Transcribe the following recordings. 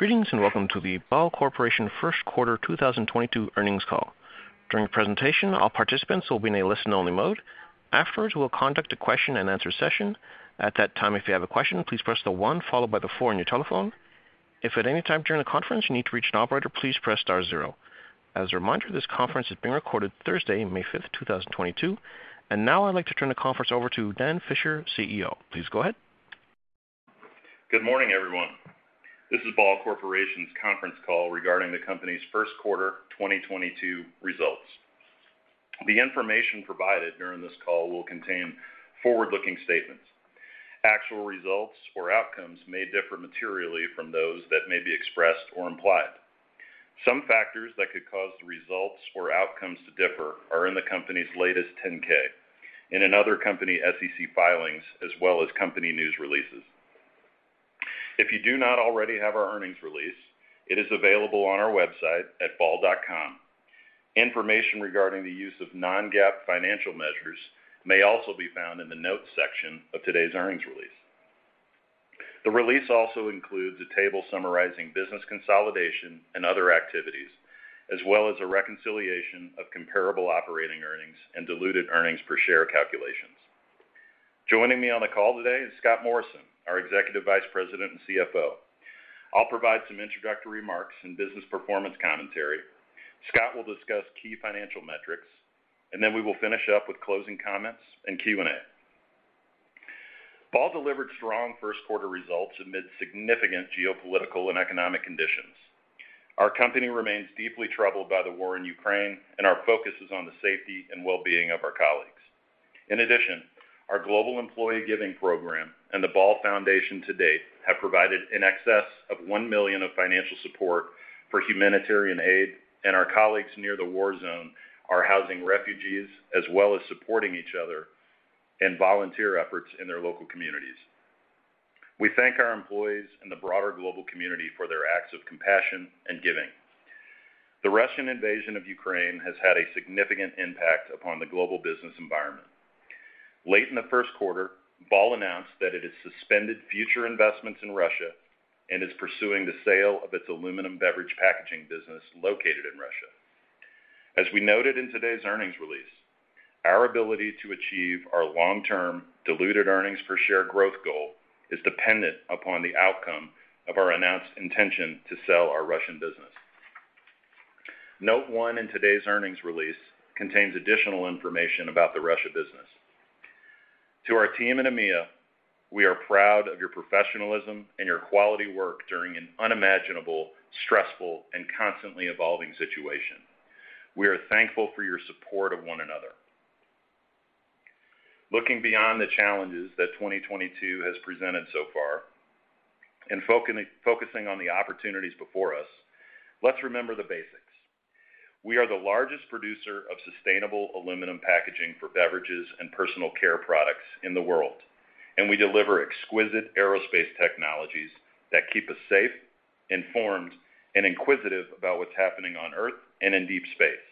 Greetings, and welcome to the Ball Corporation first quarter 2022 earnings call. During the presentation, all participants will be in a listen-only mode. Afterwards, we'll conduct a question-and-answer session. At that time, if you have a question, please press the one followed by the four on your telephone. If at any time during the conference you need to reach an operator, please press star zero. As a reminder, this conference is being recorded Thursday, May 5, 2022. Now I'd like to turn the conference over to Dan Fisher, CEO. Please go ahead. Good morning, everyone. This is Ball Corporation's conference call regarding the company's first quarter 2022 results. The information provided during this call will contain forward-looking statements. Actual results or outcomes may differ materially from those that may be expressed or implied. Some factors that could cause the results or outcomes to differ are in the company's latest 10-K, in other company SEC filings, as well as company news releases. If you do not already have our earnings release, it is available on our website at ball.com. Information regarding the use of non-GAAP financial measures may also be found in the notes section of today's earnings release. The release also includes a table summarizing business consolidation and other activities, as well as a reconciliation of comparable operating earnings and diluted earnings per share calculations. Joining me on the call today is Scott Morrison, our Executive Vice President and CFO. I'll provide some introductory remarks and business performance commentary. Scott will discuss key financial metrics, and then we will finish up with closing comments and Q&A. Ball delivered strong first quarter results amid significant geopolitical and economic conditions. Our company remains deeply troubled by the war in Ukraine, and our focus is on the safety and well-being of our colleagues. In addition, our global employee giving program and the Ball Foundation to date have provided in excess of $1 million of financial support for humanitarian aid, and our colleagues near the war zone are housing refugees, as well as supporting each other and volunteer efforts in their local communities. We thank our employees and the broader global community for their acts of compassion and giving. The Russian invasion of Ukraine has had a significant impact upon the global business environment. Late in the first quarter, Ball announced that it has suspended future investments in Russia and is pursuing the sale of its aluminum beverage packaging business located in Russia. As we noted in today's earnings release, our ability to achieve our long-term diluted earnings per share growth goal is dependent upon the outcome of our announced intention to sell our Russian business. Note 1 in today's earnings release contains additional information about the Russia business. To our team in EMEA, we are proud of your professionalism and your quality work during an unimaginable, stressful, and constantly evolving situation. We are thankful for your support of one another. Looking beyond the challenges that 2022 has presented so far and focusing on the opportunities before us, let's remember the basics. We are the largest producer of sustainable aluminum packaging for beverages and personal care products in the world, and we deliver exquisite aerospace technologies that keep us safe, informed, and inquisitive about what's happening on Earth and in deep space.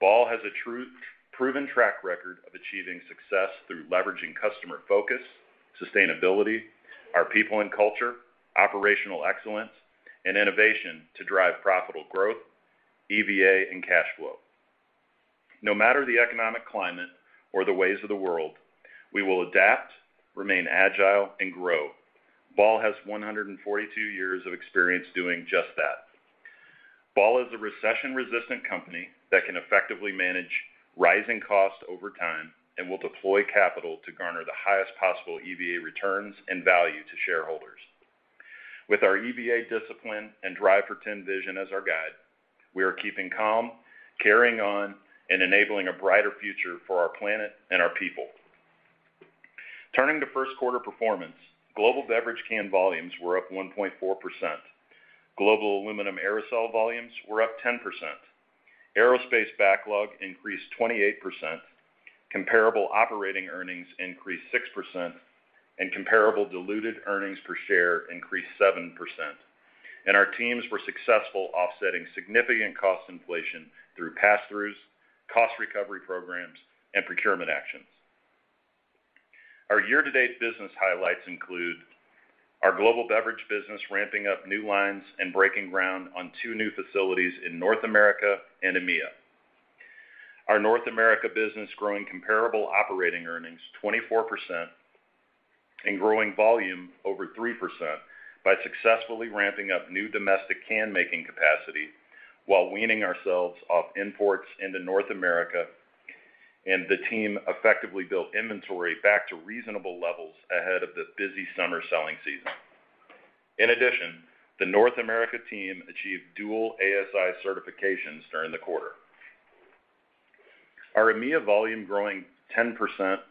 Ball has a true proven track record of achieving success through leveraging customer focus, sustainability, our people and culture, operational excellence, and innovation to drive profitable growth, EVA, and cash flow. No matter the economic climate or the ways of the world, we will adapt, remain agile, and grow. Ball has 142 years of experience doing just that. Ball is a recession-resistant company that can effectively manage rising costs over time and will deploy capital to garner the highest possible EVA returns and value to shareholders. With our EVA discipline and Drive for 10 vision as our guide, we are keeping calm, carrying on, and enabling a brighter future for our planet and our people. Turning to first quarter performance, global beverage can volumes were up 1.4%. Global aluminum aerosol volumes were up 10%. Aerospace backlog increased 28%. Comparable operating earnings increased 6%. Comparable diluted earnings per share increased 7%. Our teams were successful offsetting significant cost inflation through pass-throughs, cost recovery programs, and procurement actions. Our year-to-date business highlights include our global beverage business ramping up new lines and breaking ground on two new facilities in North America and EMEA. Our North America business growing comparable operating earnings 24% and growing volume over 3% by successfully ramping up new domestic can-making capacity while weaning ourselves off imports into North America, and the team effectively built inventory back to reasonable levels ahead of the busy summer selling season. In addition, the North America team achieved dual ASI certifications during the quarter. Our EMEA volume growing 10%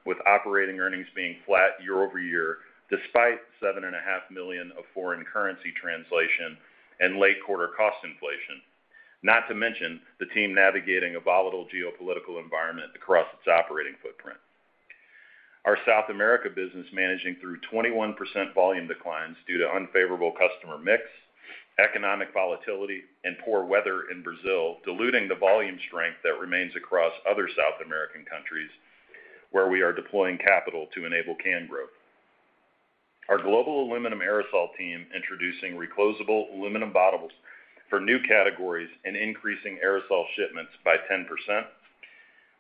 with operating earnings being flat year-over-year, despite $7.5 million of foreign currency translation and late quarter cost inflation. Not to mention, the team navigating a volatile geopolitical environment across its operating footprint. Our South America business managing through 21% volume declines due to unfavorable customer mix, economic volatility, and poor weather in Brazil, diluting the volume strength that remains across other South American countries. Where we are deploying capital to enable can growth. Our global aluminum aerosol team introducing reclosable aluminum bottles for new categories and increasing aerosol shipments by 10%.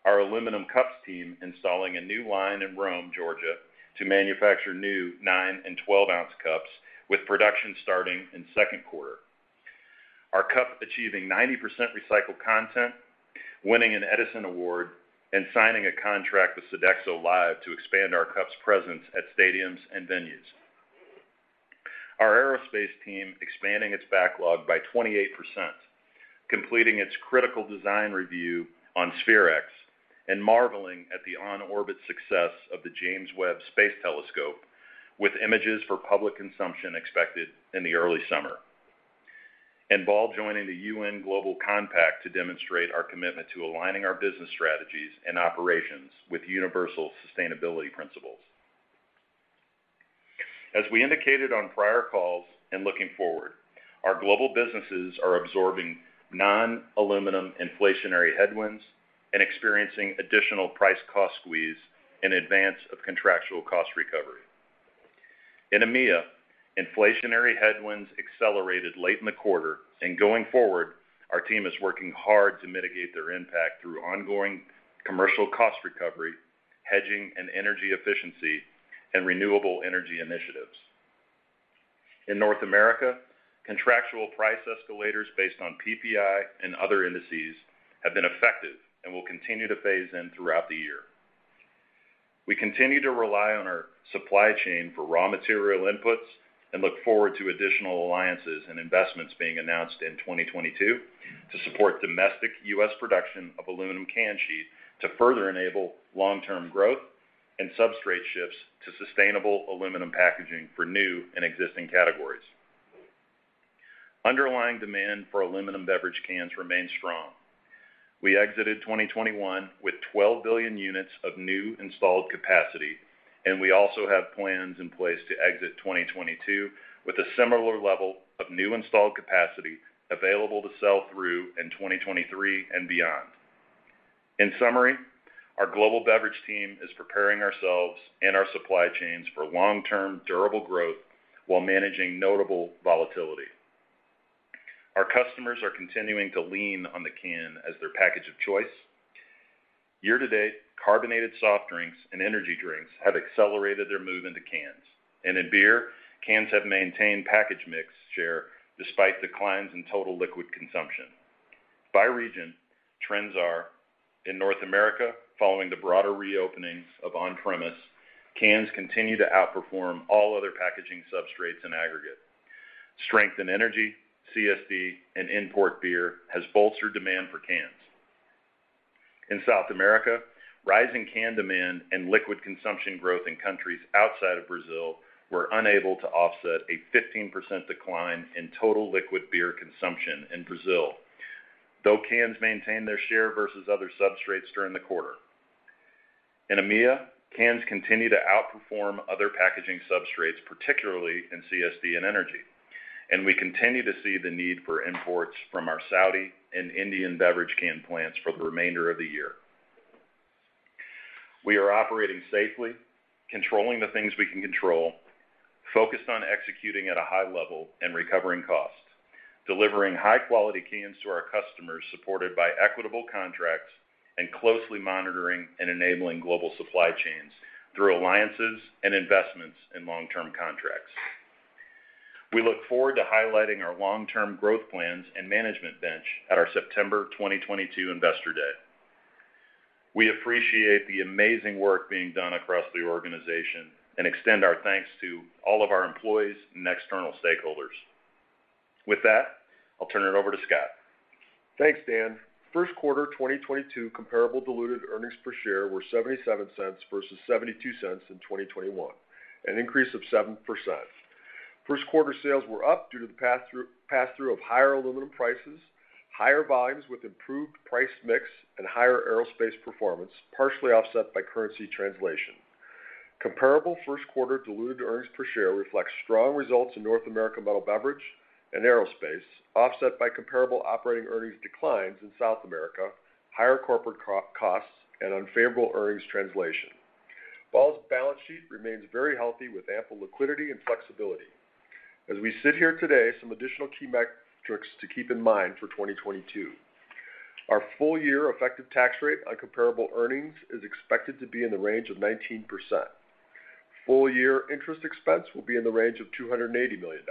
Our aluminum cups team installing a new line in Rome, Georgia, to manufacture new nine and 12 ounce cups with production starting in second quarter. Our cup achieving 90% recycled content, winning an Edison Award, and signing a contract with Sodexo Live! to expand our cups presence at stadiums and venues. Our aerospace team expanding its backlog by 28%, completing its critical design review on SPHEREx, and marveling at the on-orbit success of the James Webb Space Telescope, with images for public consumption expected in the early summer. Ball joining the UN Global Compact to demonstrate our commitment to aligning our business strategies and operations with universal sustainability principles. As we indicated on prior calls and looking forward, our global businesses are absorbing non-aluminum inflationary headwinds and experiencing additional price cost squeeze in advance of contractual cost recovery. In EMEA, inflationary headwinds accelerated late in the quarter, and going forward, our team is working hard to mitigate their impact through ongoing commercial cost recovery, hedging and energy efficiency, and renewable energy initiatives. In North America, contractual price escalators based on PPI and other indices have been effective and will continue to phase in throughout the year. We continue to rely on our supply chain for raw material inputs and look forward to additional alliances and investments being announced in 2022 to support domestic U.S. production of aluminum can sheet to further enable long-term growth and substrate shifts to sustainable aluminum packaging for new and existing categories. Underlying demand for aluminum beverage cans remains strong. We exited 2021 with 12 billion units of new installed capacity, and we also have plans in place to exit 2022 with a similar level of new installed capacity available to sell through in 2023 and beyond. In summary, our global beverage team is preparing ourselves and our supply chains for long-term durable growth while managing notable volatility. Our customers are continuing to lean on the can as their package of choice. Year to date, carbonated soft drinks and energy drinks have accelerated their move into cans. In beer, cans have maintained package mix share despite declines in total liquid consumption. By region, trends are, in North America, following the broader reopenings of on-premise, cans continue to outperform all other packaging substrates in aggregate. Strength in energy, CSD, and import beer has bolstered demand for cans. In South America, rising can demand and liquid consumption growth in countries outside of Brazil were unable to offset a 15% decline in total liquid beer consumption in Brazil, though cans maintained their share versus other substrates during the quarter. In EMEA, cans continue to outperform other packaging substrates, particularly in CSD and energy, and we continue to see the need for imports from our Saudi and Indian beverage can plants for the remainder of the year. We are operating safely, controlling the things we can control, focused on executing at a high level and recovering costs, delivering high-quality cans to our customers supported by equitable contracts, and closely monitoring and enabling global supply chains through alliances and investments in long-term contracts. We look forward to highlighting our long-term growth plans and management bench at our September 2022 Investor Day. We appreciate the amazing work being done across the organization and extend our thanks to all of our employees and external stakeholders. With that, I'll turn it over to Scott. Thanks, Dan. First quarter 2022 comparable diluted earnings per share were $0.77 versus $0.72 in 2021, an increase of 7%. First quarter sales were up due to the pass through of higher aluminum prices, higher volumes with improved price mix, and higher aerospace performance, partially offset by currency translation. Comparable first quarter diluted earnings per share reflects strong results in North America metal beverage and aerospace, offset by comparable operating earnings declines in South America, higher corporate costs, and unfavorable earnings translation. Ball's balance sheet remains very healthy with ample liquidity and flexibility. As we sit here today, some additional key metrics to keep in mind for 2022. Our full-year effective tax rate on comparable earnings is expected to be in the range of 19%. Full-year interest expense will be in the range of $280 million.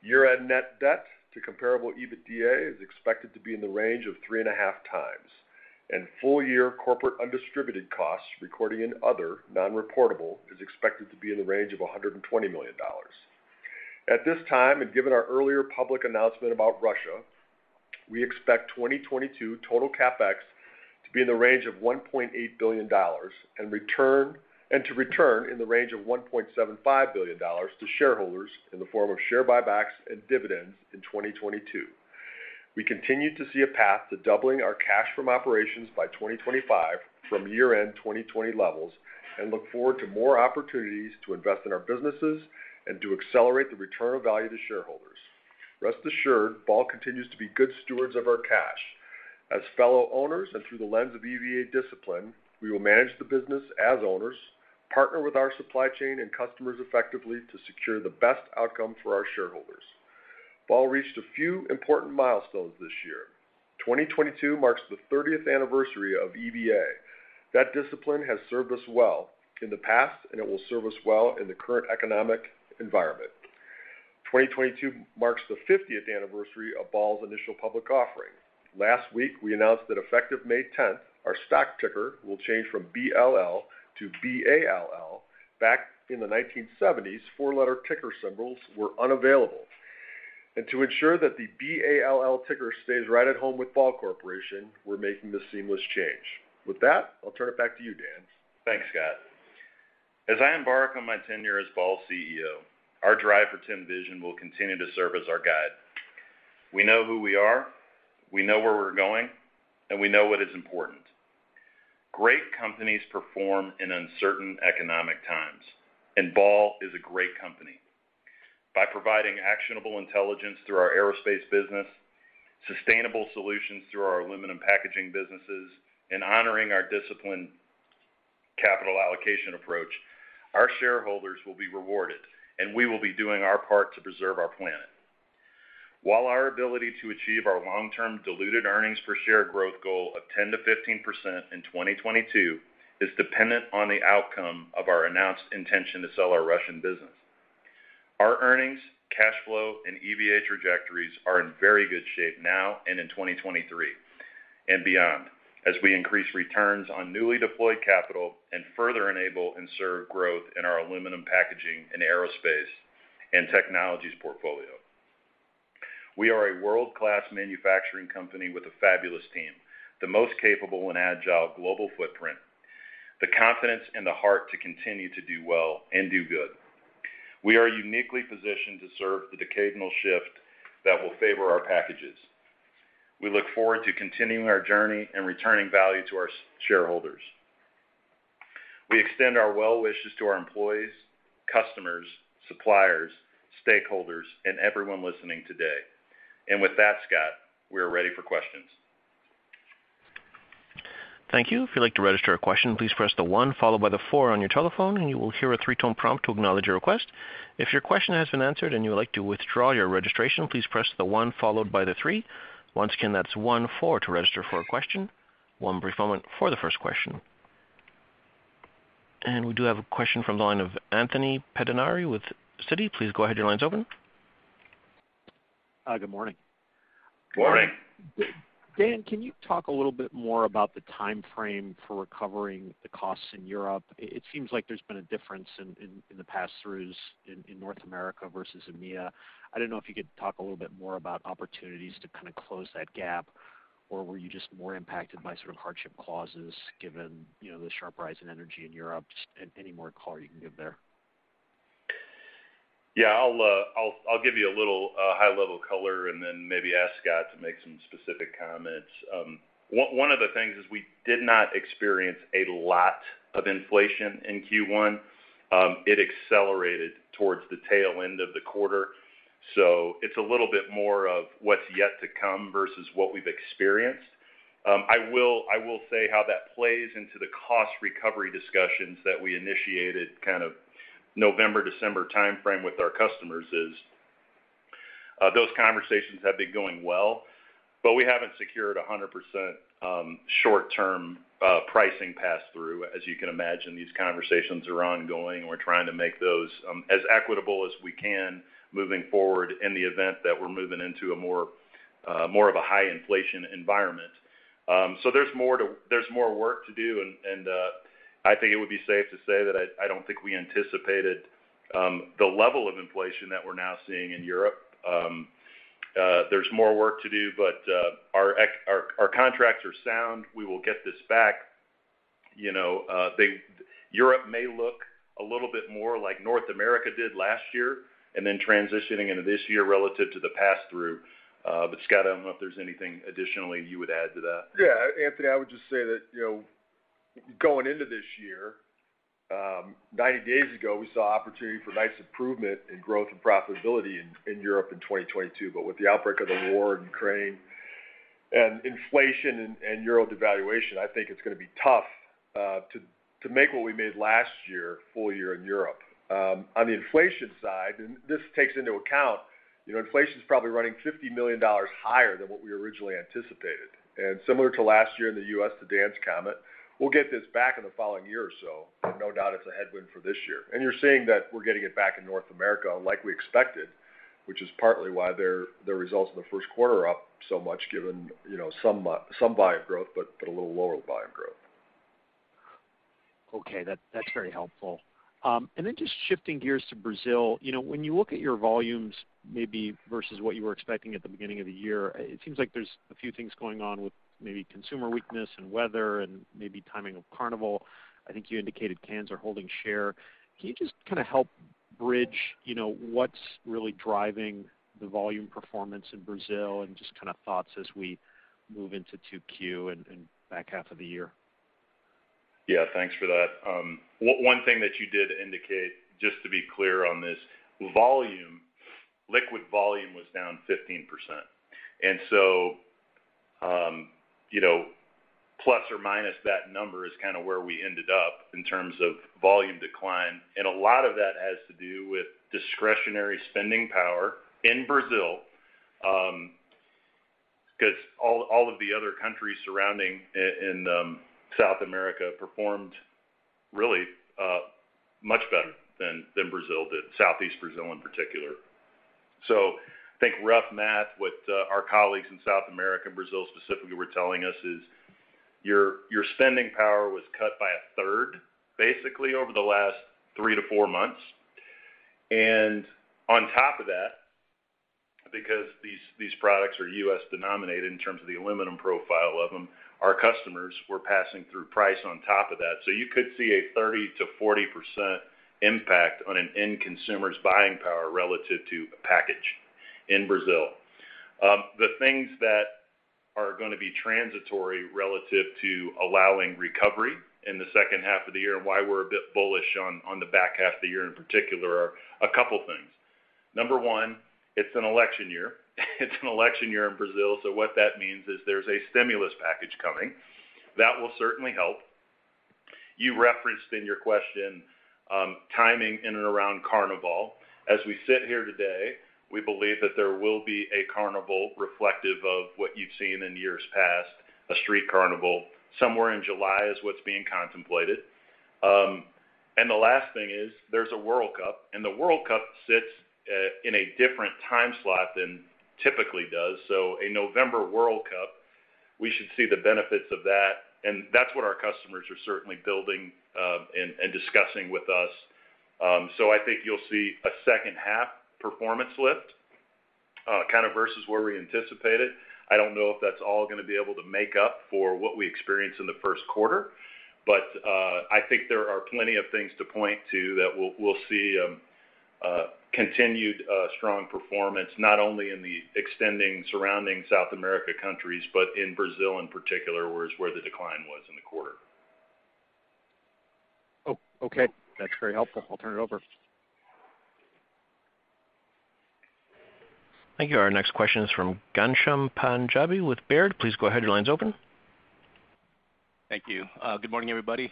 Year-end net debt to comparable EBITDA is expected to be in the range of 3.5 times. Full-year corporate undistributed costs recording in other non-reportable is expected to be in the range of $120 million. At this time, and given our earlier public announcement about Russia, we expect 2022 total CapEx to be in the range of $1.8 billion and to return $1.75 billion to shareholders in the form of share buybacks and dividends in 2022. We continue to see a path to doubling our cash from operations by 2025 from year-end 2020 levels and look forward to more opportunities to invest in our businesses and to accelerate the return of value to shareholders. Rest assured, Ball continues to be good stewards of our cash. As fellow owners and through the lens of EVA discipline, we will manage the business as owners, partner with our supply chain and customers effectively to secure the best outcome for our shareholders. Ball reached a few important milestones this year. 2022 marks the 30th anniversary of EVA. That discipline has served us well in the past, and it will serve us well in the current economic environment. 2022 marks the 50th anniversary of Ball's initial public offering. Last week, we announced that effective May 10, our stock ticker will change from BLL to BALL. Back in the 1970s, four letter ticker symbols were unavailable. To ensure that the BALL ticker stays right at home with Ball Corporation, we're making this seamless change. With that, I'll turn it back to you, Dan. Thanks, Scott. As I embark on my tenure as Ball's CEO, our Drive for 10 vision will continue to serve as our guide. We know who we are, we know where we're going, and we know what is important. Great companies perform in uncertain economic times, and Ball is a great company. By providing actionable intelligence through our aerospace business, sustainable solutions through our aluminum packaging businesses, and honoring our disciplined capital allocation approach, our shareholders will be rewarded, and we will be doing our part to preserve our planet. While our ability to achieve our long-term diluted earnings per share growth goal of 10%-15% in 2022 is dependent on the outcome of our announced intention to sell our Russian business. Our earnings, cash flow, and EVA trajectories are in very good shape now and in 2023 and beyond as we increase returns on newly deployed capital and further enable and serve growth in our aluminum packaging and aerospace and technologies portfolio. We are a world-class manufacturing company with a fabulous team, the most capable and agile global footprint, the confidence and the heart to continue to do well and do good. We are uniquely positioned to serve the decadal shift that will favor our packages. We look forward to continuing our journey and returning value to our shareholders. We extend our well wishes to our employees, customers, suppliers, stakeholders, and everyone listening today. With that, Scott, we are ready for questions. Thank you. If you'd like to register a question, please press the one followed by the four on your telephone, and you will hear a three-tone prompt to acknowledge your request. If your question has been answered and you would like to withdraw your registration, please press the one followed by the three. Once again, that's one four to register for a question. One brief moment for the first question. We do have a question from the line of Anthony Pettinari with Citi. Please go ahead. Your line's open. Good morning. Good morning. Dan, can you talk a little bit more about the timeframe for recovering the costs in Europe? It seems like there's been a difference in the pass-throughs in North America versus EMEA. I don't know if you could talk a little bit more about opportunities to kind of close that gap, or were you just more impacted by sort of hardship clauses given, you know, the sharp rise in energy in Europe? Just any more color you can give there. Yeah. I'll give you a little high-level color and then maybe ask Scott to make some specific comments. One of the things is we did not experience a lot of inflation in Q1. It accelerated towards the tail end of the quarter. It's a little bit more of what's yet to come versus what we've experienced. I will say how that plays into the cost recovery discussions that we initiated kind of November, December timeframe with our customers is, those conversations have been going well, but we haven't secured 100% short-term pricing pass through. As you can imagine, these conversations are ongoing. We're trying to make those as equitable as we can moving forward in the event that we're moving into a more of a high inflation environment. There's more work to do. I think it would be safe to say that I don't think we anticipated the level of inflation that we're now seeing in Europe. There's more work to do, but our contracts are sound. We will get this back. You know, Europe may look a little bit more like North America did last year and then transitioning into this year relative to the pass-through. Scott, I don't know if there's anything additionally you would add to that. Yeah. Anthony, I would just say that, you know, going into this year, 90 days ago, we saw opportunity for nice improvement in growth and profitability in Europe in 2022. With the outbreak of the war in Ukraine and inflation and euro devaluation, I think it's gonna be tough to make what we made last year, full year in Europe. On the inflation side, and this takes into account, you know, inflation's probably running $50 million higher than what we originally anticipated. Similar to last year in the U.S., to Dan's comment, we'll get this back in the following year or so. No doubt it's a headwind for this year. You're seeing that we're getting it back in North America like we expected, which is partly why their results in the first quarter are up so much given, you know, some volume growth, but a little lower volume growth. Okay. That's very helpful. Just shifting gears to Brazil. You know, when you look at your volumes maybe versus what you were expecting at the beginning of the year, it seems like there's a few things going on with maybe consumer weakness and weather and maybe timing of Carnival. I think you indicated cans are holding share. Can you just kinda help bridge, you know, what's really driving the volume performance in Brazil and just kind of thoughts as we move into 2Q and back half of the year? Yeah, thanks for that. One thing that you did indicate, just to be clear on this, volume, liquid volume was down 15%. You know, plus or minus that number is kind of where we ended up in terms of volume decline, and a lot of that has to do with discretionary spending power in Brazil, 'cause all of the other countries surrounding in South America performed really much better than Brazil did, Southeast Brazil in particular. I think rough math, what our colleagues in South America and Brazil specifically were telling us is your spending power was cut by a third, basically over the last three to four months. On top of that, because these products are USD denominated in terms of the aluminum profile of them, our customers were passing through price on top of that. So you could see a 30%-40% impact on an end consumer's buying power relative to packaging in Brazil. The things that are gonna be transitory relative to allowing recovery in the second half of the year and why we're a bit bullish on the back half of the year in particular are a couple things. Number one, it's an election year. It's an election year in Brazil, so what that means is there's a stimulus package coming. That will certainly help. You referenced in your question, timing in and around Carnival. As we sit here today, we believe that there will be a Carnival reflective of what you've seen in years past, a street carnival. Somewhere in July is what's being contemplated. The last thing is there's a World Cup, and the World Cup sits in a different time slot than typically does. A November World Cup, we should see the benefits of that, and that's what our customers are certainly building and discussing with us. I think you'll see a second half performance lift kind of versus where we anticipated. I don't know if that's all gonna be able to make up for what we experienced in the first quarter, but I think there are plenty of things to point to that we'll see continued strong performance, not only in the emerging surrounding South American countries, but in Brazil in particular, where the decline was in the quarter. Oh, okay. That's very helpful. I'll turn it over. Thank you. Our next question is from Ghansham Panjabi with Baird. Please go ahead, your line's open. Thank you. Good morning, everybody.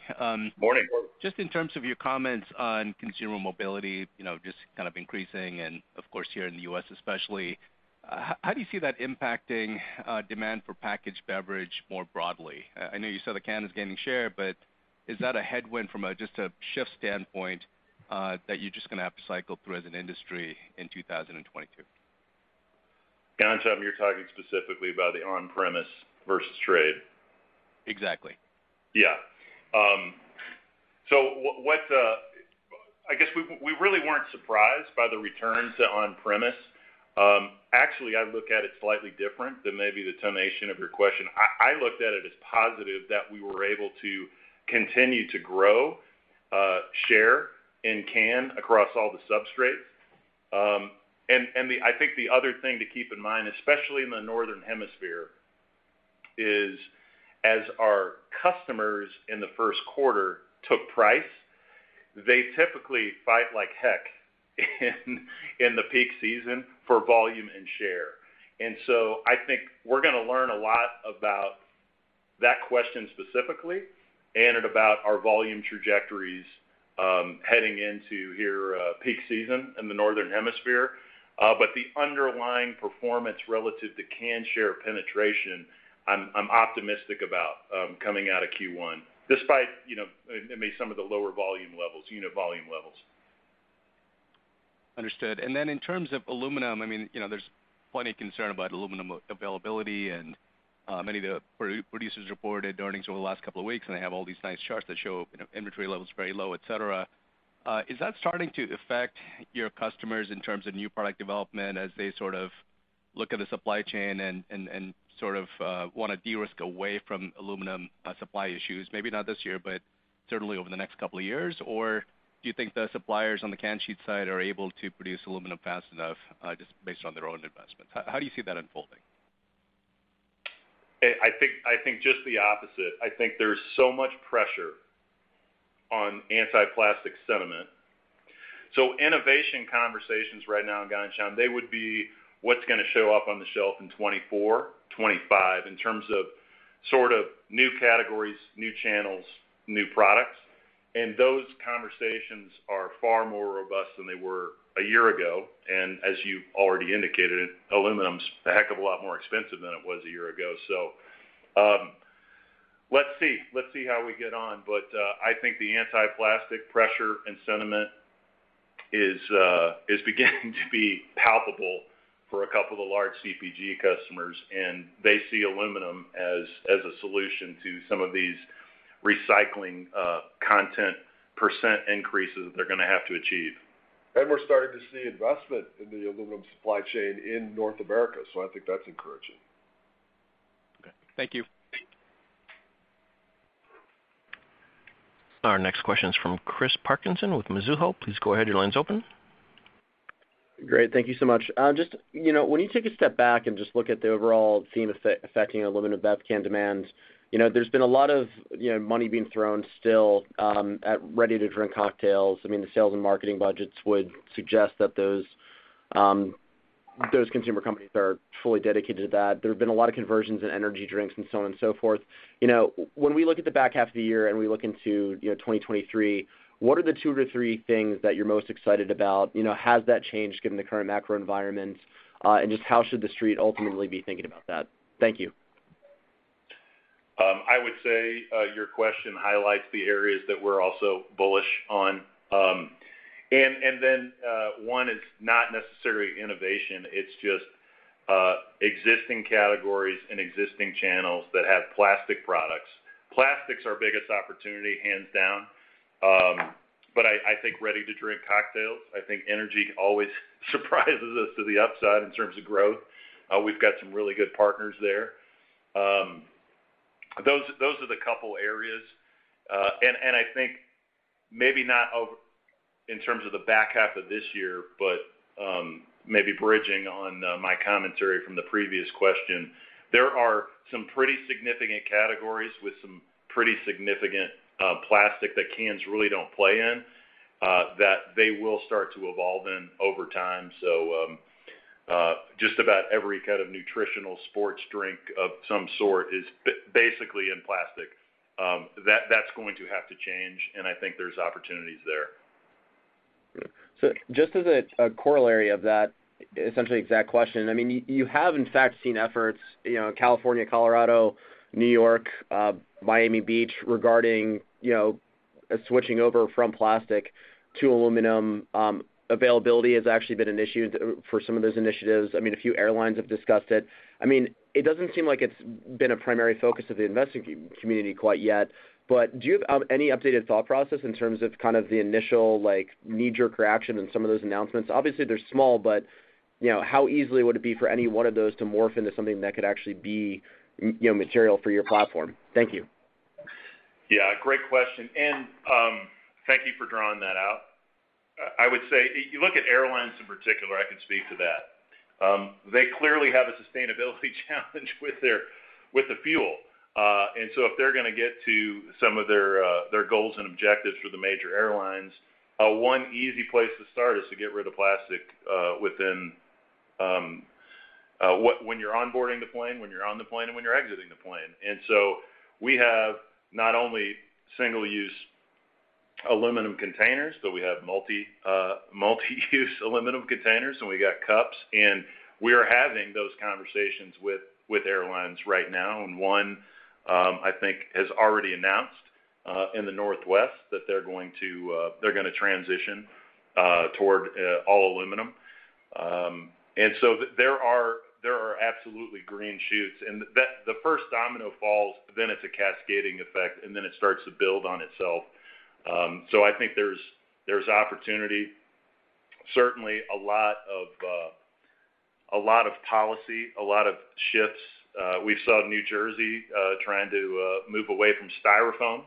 Morning. Just in terms of your comments on consumer mobility, you know, just kind of increasing and of course, here in the U.S. especially, how do you see that impacting demand for packaged beverage more broadly? I know you said the can is gaining share, but is that a headwind from a just a shift standpoint that you're just gonna have to cycle through as an industry in 2022? Ghansham, you're talking specifically about the on-premise versus trade. Exactly. Yeah. So, I guess we really weren't surprised by the return to on-premise. Actually, I look at it slightly different than maybe the intonation of your question. I looked at it as positive that we were able to continue to grow share in can across all the substrates. I think the other thing to keep in mind, especially in the Northern Hemisphere, is as our customers in the first quarter took price, they typically fight like heck in the peak season for volume and share. I think we're gonna learn a lot about that question specifically and about our volume trajectories heading into peak season in the Northern Hemisphere. The underlying performance relative to can share penetration, I'm optimistic about coming out of Q1, despite you know, maybe some of the lower volume levels, unit volume levels. Understood. Then in terms of aluminum, I mean, you know, there's plenty of concern about aluminum availability and many of the primary producers reported earnings over the last couple of weeks, and they have all these nice charts that show, you know, inventory levels very low, et cetera. Is that starting to affect your customers in terms of new product development as they sort of look at the supply chain and sort of wanna de-risk away from aluminum supply issues? Maybe not this year, but certainly over the next couple of years. Do you think the suppliers on the can sheet side are able to produce aluminum fast enough just based on their own investments? How do you see that unfolding? I think just the opposite. I think there's so much pressure on anti-plastic sentiment. Innovation conversations right now, Ghansham, they would be what's gonna show up on the shelf in 2024, 2025 in terms of sort of new categories, new channels, new products. Those conversations are far more robust than they were a year ago. As you already indicated, aluminum's a heck of a lot more expensive than it was a year ago. Let's see. Let's see how we get on. I think the anti-plastic pressure and sentiment is beginning to be palpable for a couple of large CPG customers, and they see aluminum as a solution to some of these recycling, content % increases they're gonna have to achieve. We're starting to see investment in the aluminum supply chain in North America, so I think that's encouraging. Okay. Thank you. Our next question is from Chris Parkinson with Mizuho. Please go ahead, your line's open. Great. Thank you so much. Just, you know, when you take a step back and just look at the overall theme affecting aluminum bev can demand, you know, there's been a lot of, you know, money being thrown still at ready-to-drink cocktails. I mean, the sales and marketing budgets would suggest that those consumer companies are fully dedicated to that. There have been a lot of conversions in energy drinks and so on and so forth. You know, when we look at the back half of the year and we look into, you know, 2023, what are the two to three things that you're most excited about? You know, has that changed given the current macro environment? And just how should The Street ultimately be thinking about that? Thank you. I would say your question highlights the areas that we're also bullish on. It's not necessarily innovation, it's just existing categories and existing channels that have plastic products. Plastic's our biggest opportunity, hands down. I think ready-to-drink cocktails. I think energy always surprises us to the upside in terms of growth. We've got some really good partners there. Those are the couple areas. I think maybe in terms of the back half of this year, maybe bridging on my commentary from the previous question, there are some pretty significant categories with some pretty significant plastic that cans really don't play in, that they will start to evolve in over time. Just about every kind of nutritional sports drink of some sort is basically in plastic. That, that's going to have to change, and I think there's opportunities there. Just as a corollary of that essentially exact question, I mean, you have in fact seen efforts, you know, California, Colorado, New York, Miami Beach regarding, you know, switching over from plastic to aluminum. Availability has actually been an issue for some of those initiatives. I mean, a few airlines have discussed it. I mean, it doesn't seem like it's been a primary focus of the investing community quite yet, but do you have any updated thought process in terms of kind of the initial, like, knee-jerk reaction in some of those announcements? Obviously, they're small, but, you know, how easily would it be for any one of those to morph into something that could actually be, you know, material for your platform? Thank you. Yeah, great question, and thank you for drawing that out. I would say if you look at airlines in particular, I can speak to that. They clearly have a sustainability challenge with the fuel. If they're gonna get to some of their goals and objectives for the major airlines, one easy place to start is to get rid of plastic within when you're onboarding the plane, when you're on the plane, and when you're exiting the plane. We have not only single-use aluminum containers, but we have multi-use aluminum containers, and we got cups. We are having those conversations with airlines right now, and one I think has already announced in the Northwest that they're gonna transition toward all aluminum. There are absolutely green shoots. The first domino falls, then it's a cascading effect, and then it starts to build on itself. I think there's opportunity. Certainly a lot of policy, a lot of shifts. We saw New Jersey trying to move away from Styrofoam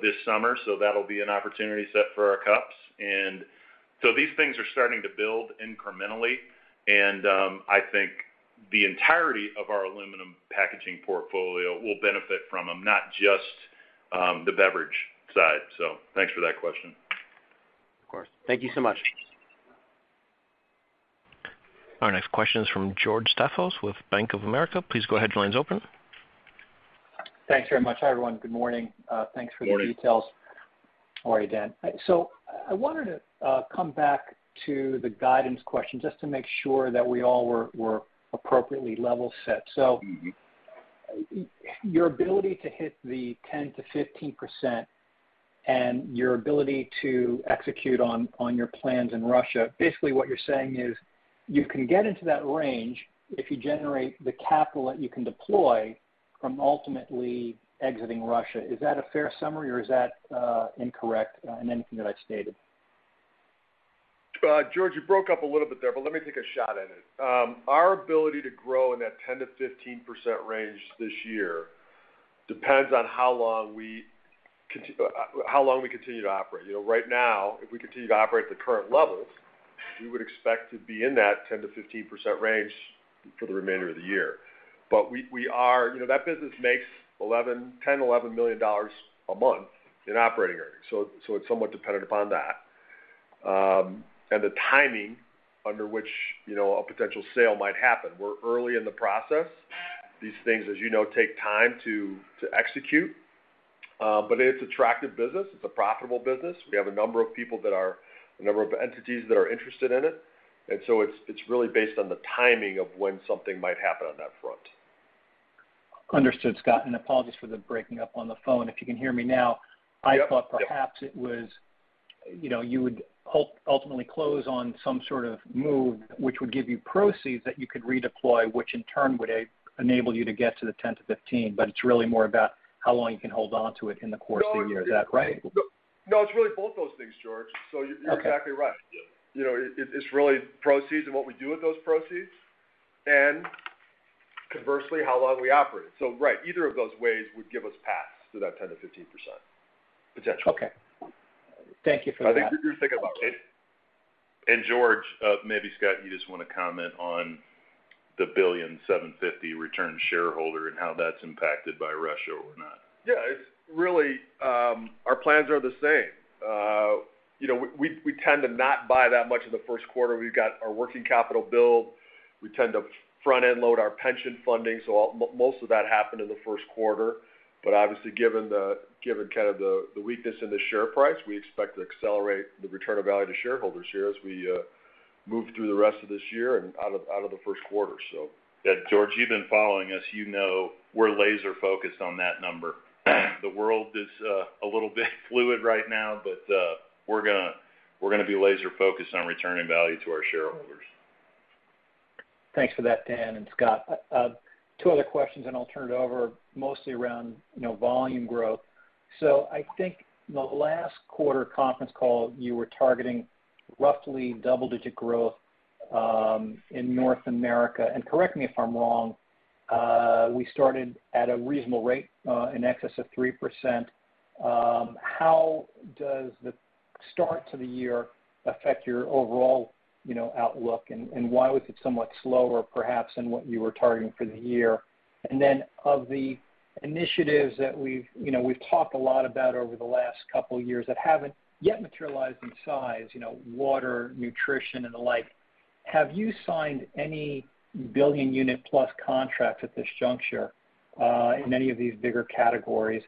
this summer, so that'll be an opportunity set for our cups. These things are starting to build incrementally, and I think the entirety of our aluminum packaging portfolio will benefit from them, not just the beverage side. Thanks for that question. Of course. Thank you so much. Our next question is from George Staphos with Bank of America. Please go ahead. Your line's open. Thanks very much. Hi, everyone. Good morning. Morning. Details. How are you, Dan? I wanted to come back to the guidance question just to make sure that we all were appropriately level set. Mm-hmm. Your ability to hit the 10%-15% and your ability to execute on your plans in Russia, basically what you're saying is you can get into that range if you generate the capital that you can deploy from ultimately exiting Russia. Is that a fair summary, or is that incorrect in anything that I've stated? George, you broke up a little bit there, but let me take a shot at it. Our ability to grow in that 10%-15% range this year depends on how long we continue to operate. You know, right now, if we continue to operate at the current levels, we would expect to be in that 10%-15% range for the remainder of the year. You know, that business makes $10 million-$11 million a month in operating earnings, so it's somewhat dependent upon that. The timing under which, you know, a potential sale might happen, we're early in the process. These things, as you know, take time to execute. It's attractive business. It's a profitable business. We have a number of entities that are interested in it. It's really based on the timing of when something might happen on that front. Understood, Scott, and apologies for the breaking up on the phone. If you can hear me now. Yep, yep. I thought perhaps it was, you know, you would ultimately close on some sort of move which would give you proceeds that you could redeploy, which in turn would enable you to get to the 10-15. It's really more about how long you can hold onto it in the course of the year. Is that right? No, it's really both those things, George. Okay. You're exactly right. You know, it's really proceeds and what we do with those proceeds. And Conversely, how long we operate. Right, either of those ways would give us paths to that 10%-15% potentially. Okay. Thank you for that. I think you're thinking about right. George, maybe Scott, you just wanna comment on the $1.75 billion return to shareholders and how that's impacted by Russia or not. Yeah. It's really, our plans are the same. You know, we tend to not buy that much in the first quarter. We've got our working capital build. We tend to front-end load our pension funding, so most of that happened in the first quarter. Obviously, given kind of the weakness in the share price, we expect to accelerate the return of value to shareholders here as we move through the rest of this year and out of the first quarter, so. Yeah. George, you've been following us. You know we're laser-focused on that number. The world is a little bit fluid right now, but we're gonna be laser-focused on returning value to our shareholders. Thanks for that, Dan and Scott. Two other questions, and I'll turn it over mostly around, you know, volume growth. I think the last quarter conference call, you were targeting roughly double-digit growth in North America. Correct me if I'm wrong, we started at a reasonable rate in excess of 3%. How does the start to the year affect your overall, you know, outlook? Why was it somewhat slower perhaps than what you were targeting for the year? Of the initiatives that we've, you know, we've talked a lot about over the last couple years that haven't yet materialized in size, you know, water, nutrition, and the like, have you signed any billion unit plus contracts at this juncture in any of these bigger categories?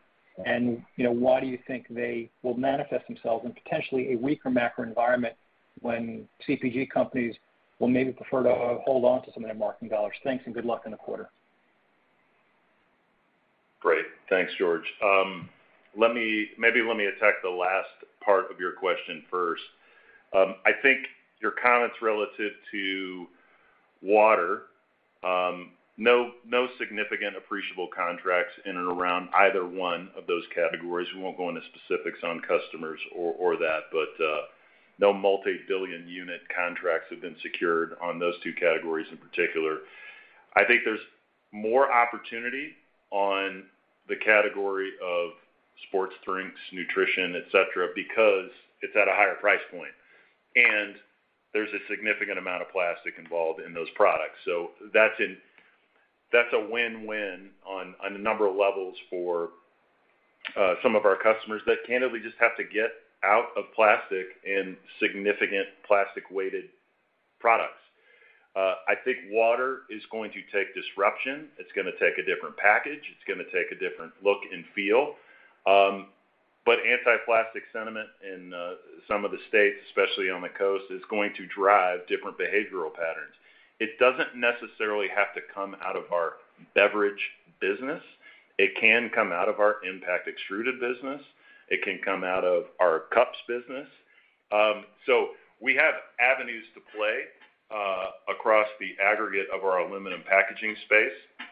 You know, why do you think they will manifest themselves in potentially a weaker macro environment when CPG companies will maybe prefer to hold on to some of their marketing dollars? Thanks, and good luck in the quarter. Great. Thanks, George. Let me attack the last part of your question first. I think your comments relative to water, no significant appreciable contracts in and around either one of those categories. We won't go into specifics on customers or that, but no multi-billion unit contracts have been secured on those two categories in particular. I think there's more opportunity on the category of sports drinks, nutrition, et cetera, because it's at a higher price point, and there's a significant amount of plastic involved in those products. That's a win-win on a number of levels for some of our customers that candidly just have to get out of plastic and significant plastic-weighted products. I think water is going to take disruption. It's gonna take a different package. It's gonna take a different look and feel. Anti-plastic sentiment in some of the states, especially on the coast, is going to drive different behavioral patterns. It doesn't necessarily have to come out of our beverage business. It can come out of our impact extruded business. It can come out of our cups business. We have avenues to play across the aggregate of our aluminum packaging space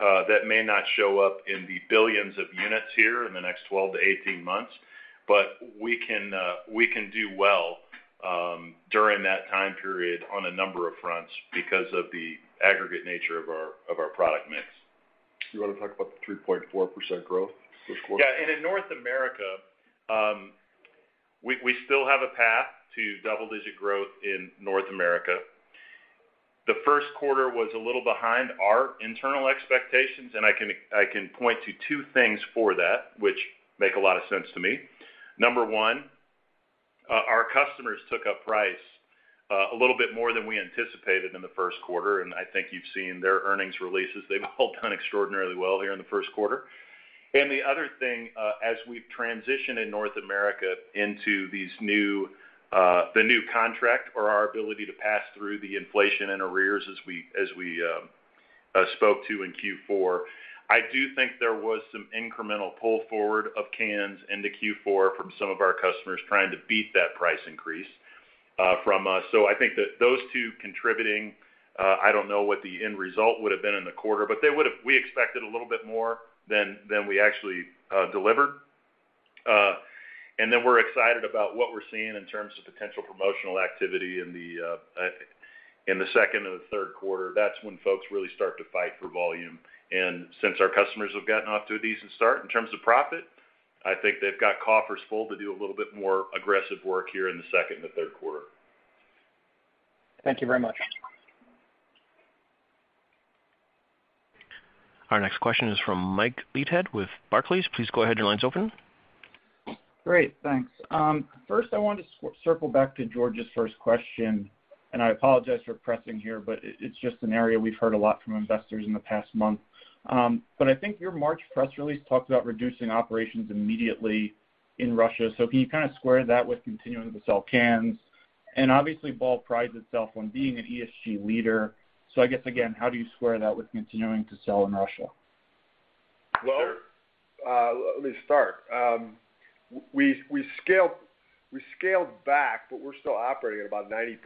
that may not show up in the billions of units here in the next 12-18 months. We can do well during that time period on a number of fronts because of the aggregate nature of our product mix. You wanna talk about the 3.4% growth this quarter? Yeah. In North America, we still have a path to double-digit growth in North America. The first quarter was a little behind our internal expectations, and I can point to two things for that, which make a lot of sense to me. Number one, our customers took up price a little bit more than we anticipated in the first quarter, and I think you've seen their earnings releases. They've all done extraordinarily well here in the first quarter. The other thing, as we transition in North America into these new, the new contract or our ability to pass through the inflation and arrears as we spoke to in Q4, I do think there was some incremental pull forward of cans into Q4 from some of our customers trying to beat that price increase from us. I think that those two contributing, I don't know what the end result would've been in the quarter, but we expected a little bit more than we actually delivered. We're excited about what we're seeing in terms of potential promotional activity in the second and the third quarter. That's when folks really start to fight for volume. Since our customers have gotten off to a decent start in terms of profit, I think they've got coffers full to do a little bit more aggressive work here in the second and the third quarter. Thank you very much. Our next question is from Mike Leithead with Barclays. Please go ahead. Your line's open. Great. Thanks. First, I wanted to circle back to George's first question, and I apologize for pressing here, but it's just an area we've heard a lot from investors in the past month. I think your March press release talked about reducing operations immediately in Russia. Can you kinda square that with continuing to sell cans? And obviously, Ball prides itself on being an ESG leader. I guess, again, how do you square that with continuing to sell in Russia? Well, let me start. We scaled back, but we're still operating at about 90%.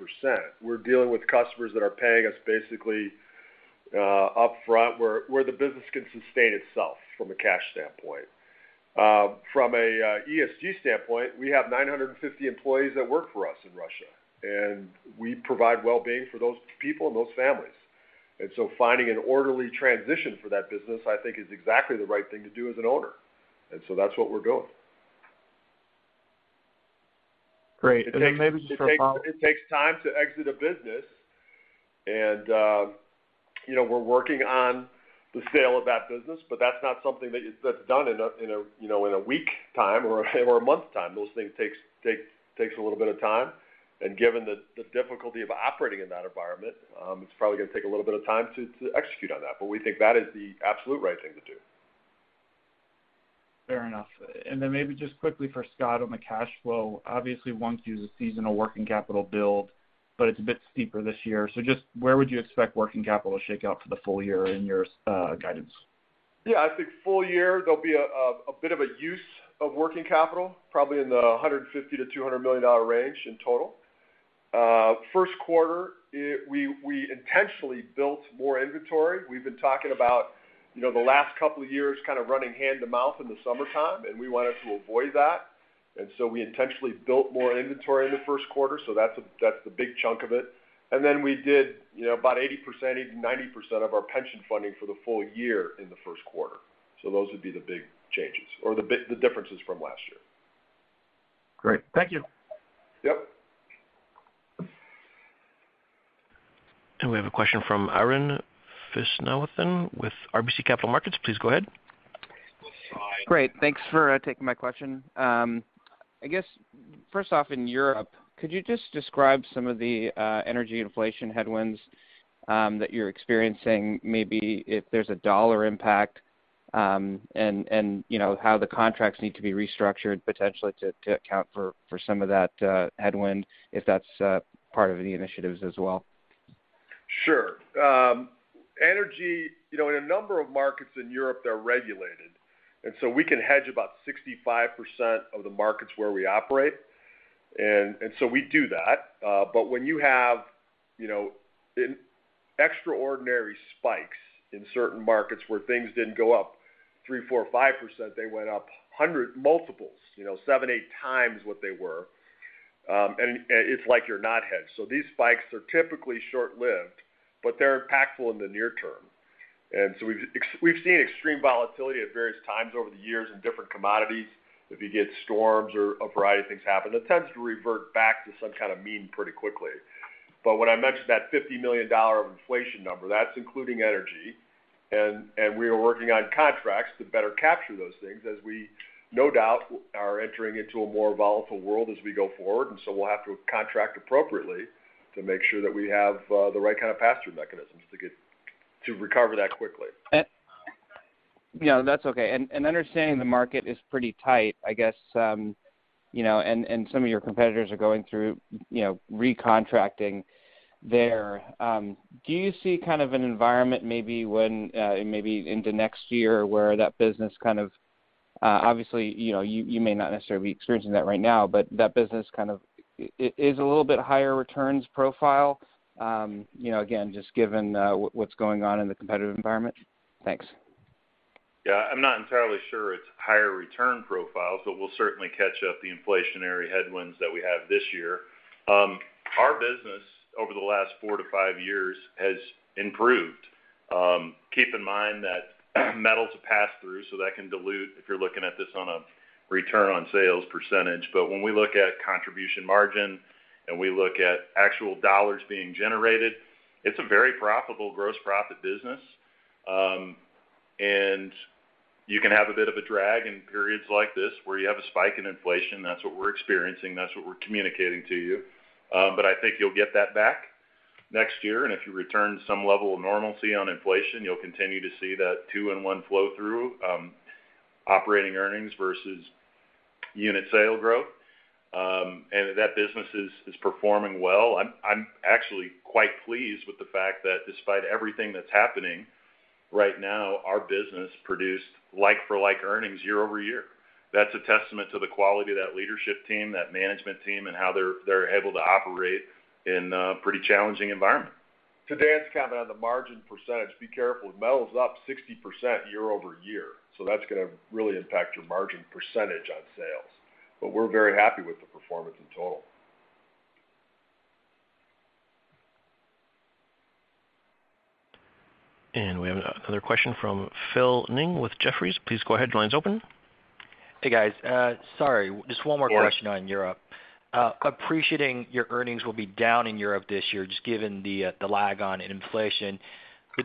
We're dealing with customers that are paying us basically upfront, where the business can sustain itself from a cash standpoint. From a ESG standpoint, we have 950 employees that work for us in Russia, and we provide well-being for those people and those families. Finding an orderly transition for that business, I think, is exactly the right thing to do as an owner. That's what we're doing. Great. Maybe just for follow. It takes time to exit a business, and you know, we're working on the sale of that business, but that's not something that's done in a week's time or a month's time. Those things take a little bit of time. Given the difficulty of operating in that environment, it's probably gonna take a little bit of time to execute on that. But we think that is the absolute right thing to do. Fair enough. Then maybe just quickly for Scott on the cash flow. Obviously, once you use a seasonal working capital build, but it's a bit steeper this year. Just where would you expect working capital to shake out for the full year in your guidance? Yeah. I think full year there'll be a bit of a use of working capital, probably in the $150 million-$200 million range in total. First quarter, we intentionally built more inventory. We've been talking about, you know, the last couple of years kind of running hand to mouth in the summertime, and we wanted to avoid that. We intentionally built more inventory in the first quarter, so that's the big chunk of it. We did, you know, about 80%, even 90% of our pension funding for the full year in the first quarter. Those would be the big changes or the differences from last year. Great. Thank you. Yep. We have a question from Arun Viswanathan with RBC Capital Markets. Please go ahead. Hi. Great. Thanks for taking my question. I guess, first off, in Europe, could you just describe some of the energy inflation headwinds that you're experiencing, maybe if there's a dollar impact, and you know, how the contracts need to be restructured potentially to account for some of that headwind, if that's part of the initiatives as well? Sure. Energy. You know, in a number of markets in Europe, they're regulated, and so we can hedge about 65% of the markets where we operate. We do that. When you have, you know, extraordinary spikes in certain markets where things didn't go up 3%, 4%, 5%, they went up hundred multiples, you know, 7, 8 times what they were, and it's like you're not hedged. These spikes are typically short-lived, but they're impactful in the near term. We've seen extreme volatility at various times over the years in different commodities. If you get storms or a variety of things happen, it tends to revert back to some kind of mean pretty quickly. When I mentioned that $50 million of inflation number, that's including energy, and we are working on contracts to better capture those things as we no doubt are entering into a more volatile world as we go forward. We'll have to contract appropriately to make sure that we have the right kind of pass-through mechanisms to recover that quickly. Yeah, that's okay. Understanding the market is pretty tight, I guess, you know, and some of your competitors are going through, you know, recontracting there, do you see kind of an environment maybe when, maybe into next year where that business kind of, obviously, you know, you may not necessarily be experiencing that right now, but that business kind of is a little bit higher returns profile, you know, again, just given, what's going on in the competitive environment? Thanks. Yeah. I'm not entirely sure it's higher return profile, but we'll certainly catch up the inflationary headwinds that we have this year. Our business over the last four to five years has improved. Keep in mind that metal is a pass-through, so that can dilute if you're looking at this on a return on sales percentage. When we look at contribution margin and we look at actual dollars being generated, it's a very profitable gross profit business. You can have a bit of a drag in periods like this where you have a spike in inflation. That's what we're experiencing. That's what we're communicating to you. I think you'll get that back next year. If you return to some level of normalcy on inflation, you'll continue to see that 2-in-1 flow through, operating earnings versus unit sale growth. That business is performing well. I'm actually quite pleased with the fact that despite everything that's happening right now, our business produced like-for-like earnings year-over-year. That's a testament to the quality of that leadership team, that management team, and how they're able to operate in a pretty challenging environment. To Dan's comment on the margin percentage, be careful. Metal's up 60% year-over-year, so that's gonna really impact your margin percentage on sales. We're very happy with the performance in total. We have another question from Phil Ng with Jefferies. Please go ahead. Your line's open. Hey, guys. Sorry, just one more question on Europe. Appreciating your earnings will be down in Europe this year, just given the lag in inflation.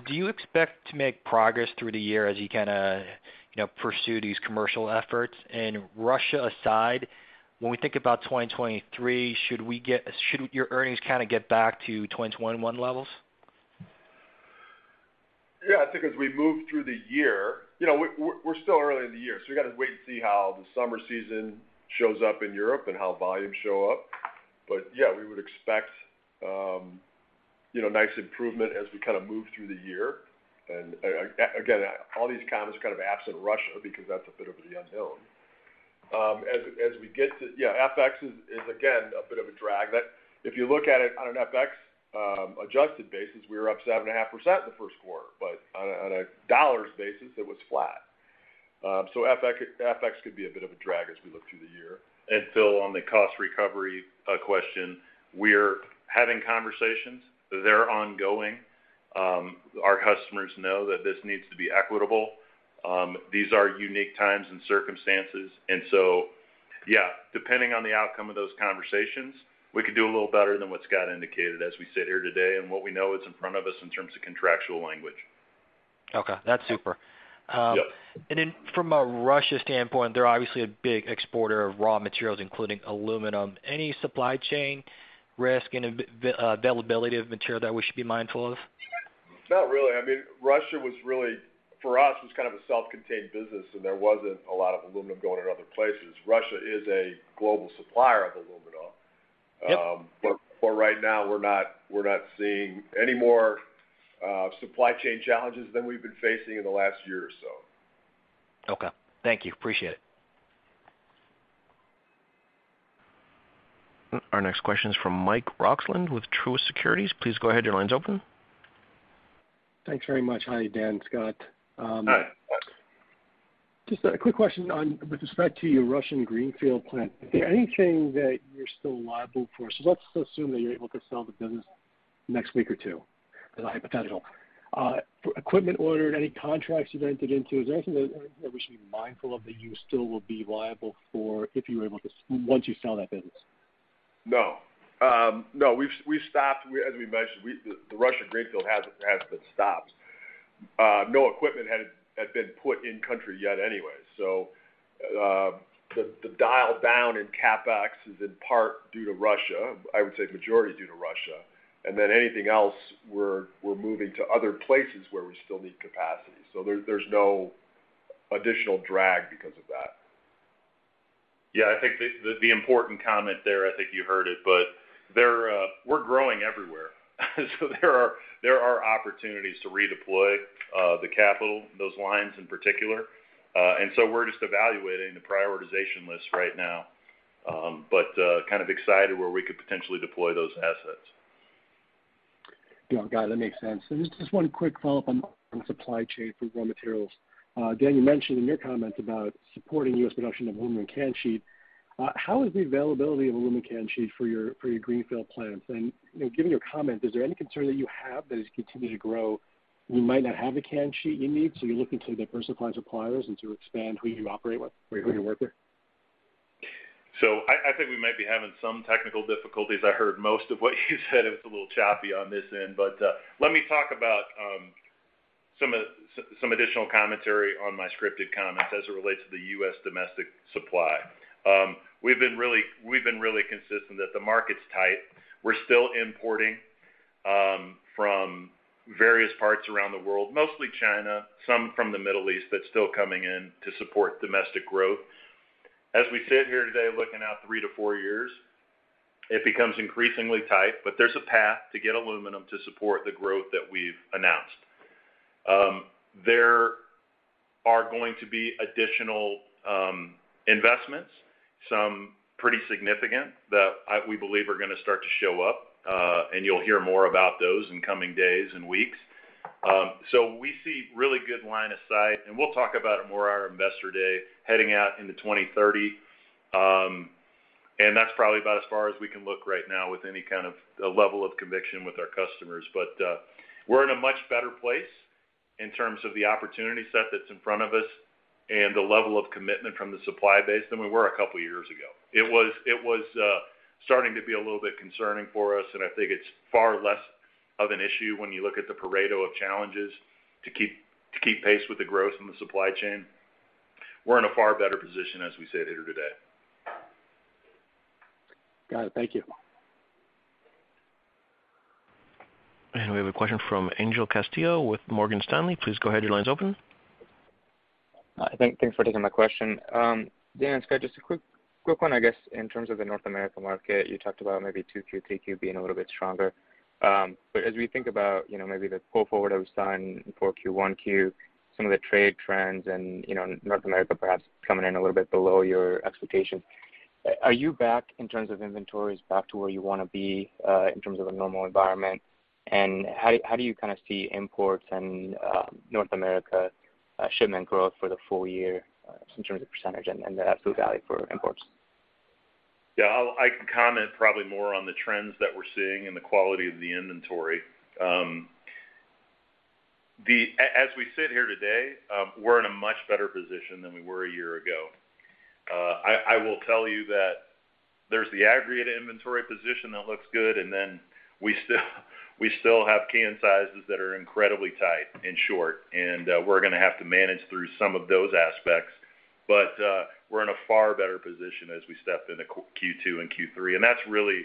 Do you expect to make progress through the year as you kinda, you know, pursue these commercial efforts? Russia aside, when we think about 2023, should your earnings kinda get back to 2021 levels? I think as we move through the year. We're still early in the year, so we gotta wait and see how the summer season shows up in Europe and how volumes show up. We would expect nice improvement as we kind of move through the year. Again, all these comments are kind of absent Russia because that's a bit of the unknown. As we get to FX is again a bit of a drag. If you look at it on an FX adjusted basis, we were up 7.5% in the first quarter. On a dollar basis, it was flat. FX could be a bit of a drag as we look through the year. Phil, on the cost recovery question, we're having conversations. They're ongoing. Our customers know that this needs to be equitable. These are unique times and circumstances. Yeah, depending on the outcome of those conversations, we could do a little better than what Scott indicated as we sit here today, and what we know is in front of us in terms of contractual language. Okay. That's super. Yeah. From a Russia standpoint, they're obviously a big exporter of raw materials, including aluminum. Any supply chain risk and availability of material that we should be mindful of? Not really. I mean, Russia was really, for us, kind of a self-contained business, and there wasn't a lot of aluminum going in other places. Russia is a global supplier of aluminum. Yep. For right now, we're not seeing any more supply chain challenges than we've been facing in the last year or so. Okay. Thank you. Appreciate it. Our next question is from Michael Roxland with Truist Securities. Please go ahead. Your line's open. Thanks very much. Hi, Dan, Scott. Hi. Just a quick question on with respect to your Russian greenfield plant. Is there anything that you're still liable for? Let's assume that you're able to sell the business next week or two as a hypothetical. For equipment ordered, any contracts you've entered into, is there anything that we should be mindful of that you still will be liable for once you sell that business? No. No. We've stopped. As we mentioned, the Russian greenfield has been stopped. No equipment had been put in country yet anyway. The dial down in CapEx is in part due to Russia, I would say majority due to Russia. Anything else, we're moving to other places where we still need capacity. There's no additional drag because of that. Yeah. I think the important comment there. I think you heard it, but there, we're growing everywhere. There are opportunities to redeploy the capital, those lines in particular. We're just evaluating the prioritization list right now. Kind of excited where we could potentially deploy those assets. Got it. That makes sense. Just one quick follow-up on supply chain for raw materials. Dan, you mentioned in your comments about supporting U.S. production of aluminum can sheet. How is the availability of aluminum can sheet for your greenfield plants? You know, given your comment, is there any concern that you have that as you continue to grow, you might not have the can sheet you need, so you're looking to diversify suppliers and to expand who you operate with or who you work with? I think we might be having some technical difficulties. I heard most of what you said. It was a little choppy on this end. Let me talk about some additional commentary on my scripted comments as it relates to the U.S. domestic supply. We've been really consistent that the market's tight. We're still importing from various parts around the world, mostly China, some from the Middle East, that's still coming in to support domestic growth. As we sit here today, looking out three to four years, it becomes increasingly tight. There's a path to get aluminum to support the growth that we've announced. There are going to be additional investments, some pretty significant, that we believe are gonna start to show up, and you'll hear more about those in coming days and weeks. We see really good line of sight, and we'll talk about it more at our Investor Day heading out into 2030. That's probably about as far as we can look right now with any kind of a level of conviction with our customers. We're in a much better place in terms of the opportunity set that's in front of us and the level of commitment from the supply base than we were a couple years ago. It was starting to be a little bit concerning for us, and I think it's far less of an issue when you look at the Pareto of challenges to keep pace with the growth in the supply chain. We're in a far better position as we sit here today. Got it. Thank you. We have a question from Angel Castillo with Morgan Stanley. Please go ahead. Your line's open. Thanks for taking my question. Dan, Scott, just a quick one, I guess, in terms of the North America market. You talked about maybe 2Q, 3Q being a little bit stronger. As we think about, you know, maybe the pull forward of sign for Q1. Some of the trade trends and, you know, North America perhaps coming in a little bit below your expectations. Are you back in terms of inventories back to where you wanna be, in terms of a normal environment? How do you kind of see imports and North America shipment growth for the full year, in terms of percentage and the absolute value for imports? Yeah. I can comment probably more on the trends that we're seeing and the quality of the inventory. As we sit here today, we're in a much better position than we were a year ago. I will tell you that there's the aggregate inventory position that looks good, and then we still have can sizes that are incredibly tight and short, and we're gonna have to manage through some of those aspects. We're in a far better position as we step into Q2 and Q3. That's really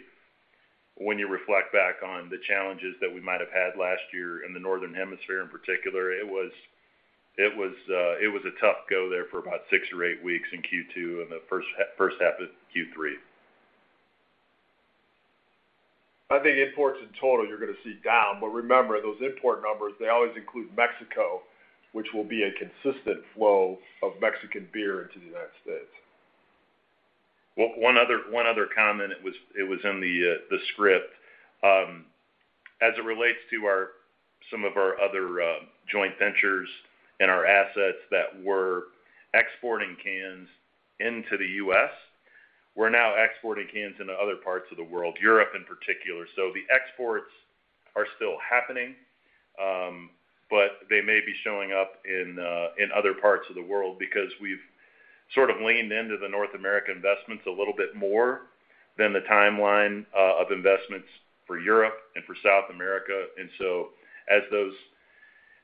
when you reflect back on the challenges that we might have had last year in the Northern Hemisphere in particular. It was a tough go there for about six or eight weeks in Q2 and the first half of Q3. I think imports in total, you're gonna see down. Remember, those import numbers, they always include Mexico, which will be a consistent flow of Mexican beer into the United States. Well, one other comment, it was in the script. As it relates to some of our other joint ventures and our assets that were exporting cans into the U.S. We're now exporting cans into other parts of the world, Europe in particular. The exports are still happening, but they may be showing up in other parts of the world because we've sort of leaned into the North American investments a little bit more than the timeline of investments for Europe and for South America.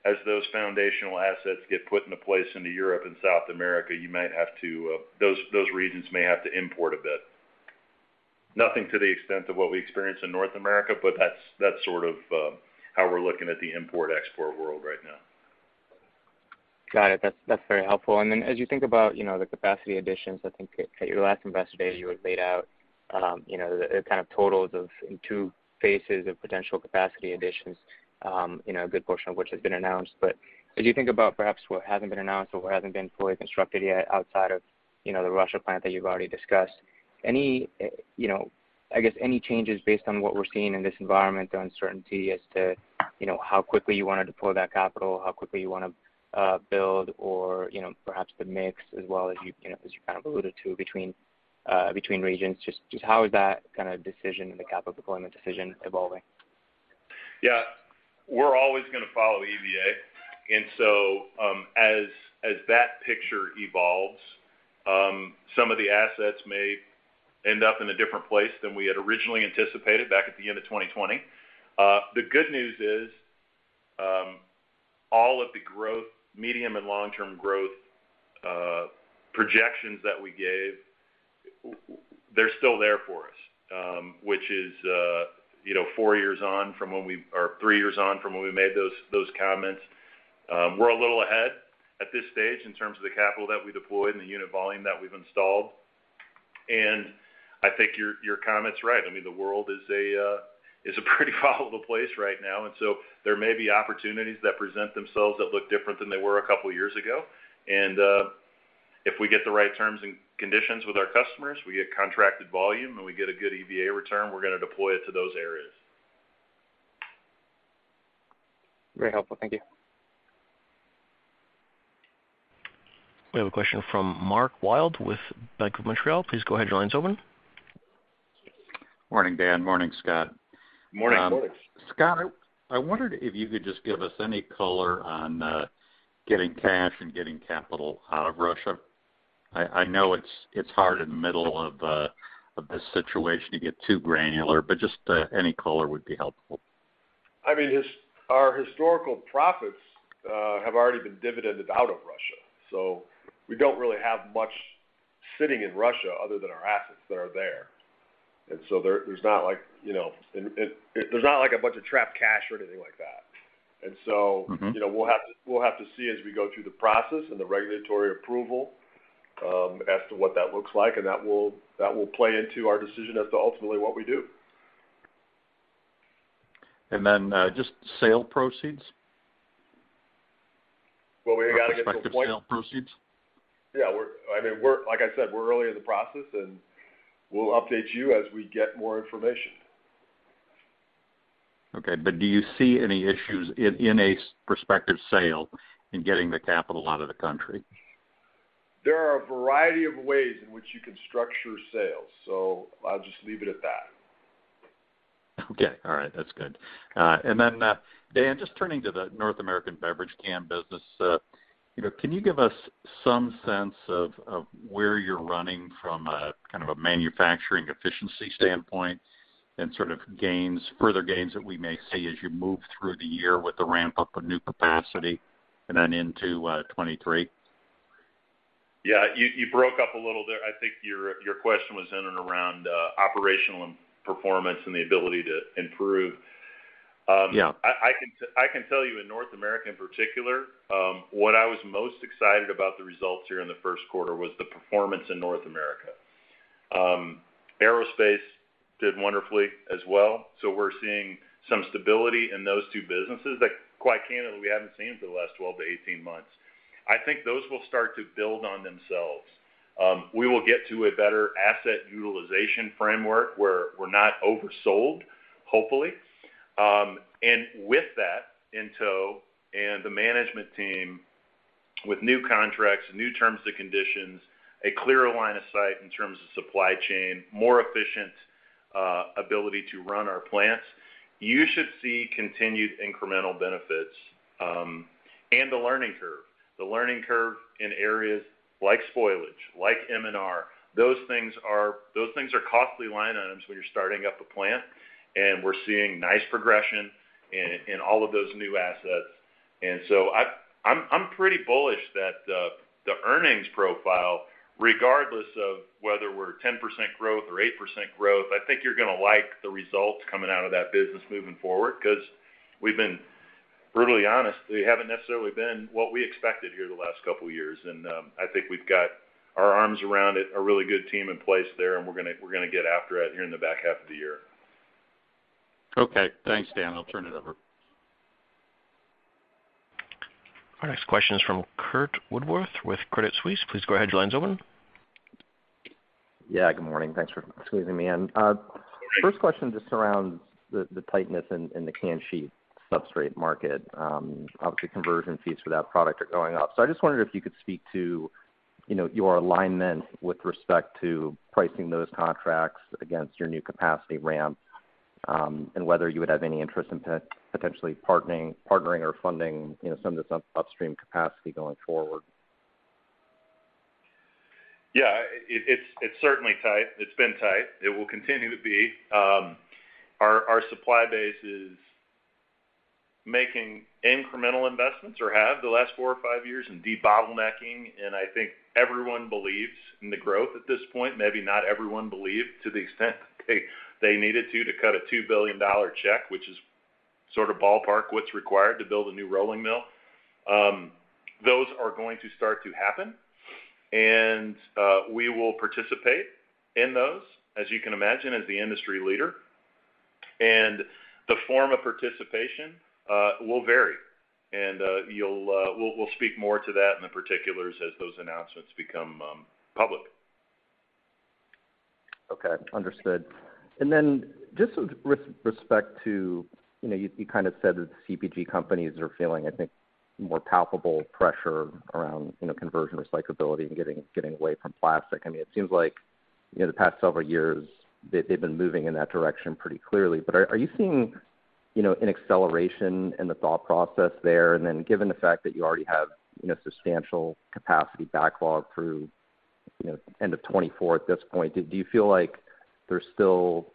As those foundational assets get put into place into Europe and South America, those regions may have to import a bit. Nothing to the extent of what we experience in North America, but that's sort of how we're looking at the import-export world right now. Got it. That's very helpful. As you think about, you know, the capacity additions, I think at your last Investor Day, you had laid out, you know, the kind of totals in two phases of potential capacity additions, you know, a good portion of which has been announced. As you think about perhaps what hasn't been announced or what hasn't been fully constructed yet outside of, you know, the Russia plant that you've already discussed, any, you know, I guess, any changes based on what we're seeing in this environment, the uncertainty as to, you know, how quickly you wanted to pull that capital, how quickly you wanna build or, you know, perhaps the mix as well as you know, as you kind of alluded to between regions. Just how is that kind of decision and the capital deployment decision evolving? Yeah. We're always gonna follow EVA. As that picture evolves, some of the assets may end up in a different place than we had originally anticipated back at the end of 2020. The good news is, all of the growth medium and long-term growth projections that we gave, they're still there for us, which is, you know, four years on or three years on from when we made those comments. We're a little ahead at this stage in terms of the capital that we deployed and the unit volume that we've installed. I think your comment's right. I mean, the world is a pretty volatile place right now. There may be opportunities that present themselves that look different than they were a couple years ago. If we get the right terms and conditions with our customers, we get contracted volume, and we get a good EVA return, we're gonna deploy it to those areas. Very helpful. Thank you. We have a question from Mark Wilde with Bank of Montreal. Please go ahead. Your line's open. Morning, Dan. Morning, Scott. Morning. Scott, I wondered if you could just give us any color on getting cash and getting capital out of Russia. I know it's hard in the middle of this situation to get too granular, but just any color would be helpful. I mean, our historical profits have already been dividended out of Russia. We don't really have much sitting in Russia other than our assets that are there. There's not like, you know, and there's not like a bunch of trapped cash or anything like that. Mm-hmm you know, we'll have to see as we go through the process and the regulatory approval, as to what that looks like, and that will play into our decision as to ultimately what we do. Just sale proceeds. Well, we gotta get to a point. Prospective sale proceeds. Yeah, I mean, like I said, we're early in the process, and we'll update you as we get more information. Okay. Do you see any issues in a prospective sale in getting the capital out of the country? There are a variety of ways in which you can structure sales, so I'll just leave it at that. Okay. All right. That's good. Dan, just turning to the North American beverage can business, you know, can you give us some sense of where you're running from a kind of a manufacturing efficiency standpoint and sort of gains, further gains that we may see as you move through the year with the ramp-up of new capacity and then into 2023? Yeah. You broke up a little there. I think your question was in and around operational and performance and the ability to improve. Yeah I can tell you in North America, in particular, what I was most excited about the results here in the first quarter was the performance in North America. Aerospace did wonderfully as well, so we're seeing some stability in those two businesses that, quite candidly, we haven't seen for the last 12-18 months. I think those will start to build on themselves. We will get to a better asset utilization framework, where we're not oversold, hopefully. With that in tow and the management team with new contracts, new terms and conditions, a clearer line of sight in terms of supply chain, more efficient ability to run our plants, you should see continued incremental benefits, and the learning curve. The learning curve in areas like spoilage, like M&R, those things are costly line items when you're starting up a plant, and we're seeing nice progression in all of those new assets. I'm pretty bullish that the earnings profile, regardless of whether we're 10% growth or 8% growth, I think you're gonna like the results coming out of that business moving forward 'cause we've been brutally honest, they haven't necessarily been what we expected here the last couple years. I think we've got our arms around it, a really good team in place there, and we're gonna get after it here in the back half of the year. Okay. Thanks, Dan. I'll turn it over. Our next question is from Curt Woodworth with Credit Suisse. Please go ahead. Your line's open. Yeah, good morning. Thanks for squeezing me in. First question just surrounds the tightness in the canned sheet substrate market. Obviously, conversion fees for that product are going up. I just wondered if you could speak to, you know, your alignment with respect to pricing those contracts against your new capacity ramp, and whether you would have any interest in potentially partnering or funding, you know, some of this upstream capacity going forward. Yeah. It's certainly tight. It's been tight. It will continue to be. Our supply base is making incremental investments over the last four or five years in de-bottlenecking. I think everyone believes in the growth at this point. Maybe not everyone believed to the extent they needed to cut a $2 billion check, which is sort of ballpark what's required to build a new rolling mill. Those are going to start to happen. We will participate in those, as you can imagine, as the industry leader. The form of participation will vary. We'll speak more to that in the particulars as those announcements become public. Okay. Understood. Just with respect to, you know, you kind of said that CPG companies are feeling, I think, more palpable pressure around, you know, conversion recyclability and getting away from plastic. I mean, it seems like, you know, the past several years they've been moving in that direction pretty clearly. Are you seeing, you know, an acceleration in the thought process there? Given the fact that you already have, you know, substantial capacity backlog through, you know, end of 2024 at this point, do you feel like there's still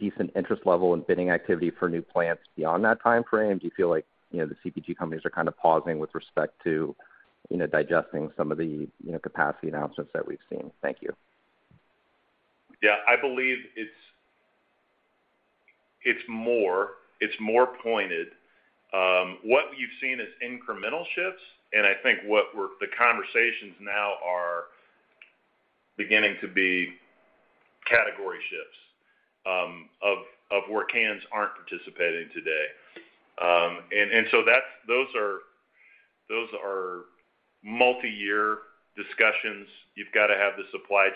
decent interest level and bidding activity for new plants beyond that timeframe? Do you feel like, you know, the CPG companies are kind of pausing with respect to, you know, digesting some of the, you know, capacity announcements that we've seen? Thank you. Yeah. I believe it's more pointed. What you've seen is incremental shifts, and I think the conversations now are beginning to be category shifts of where cans aren't participating today. Those are multiyear discussions. You've got to have the supply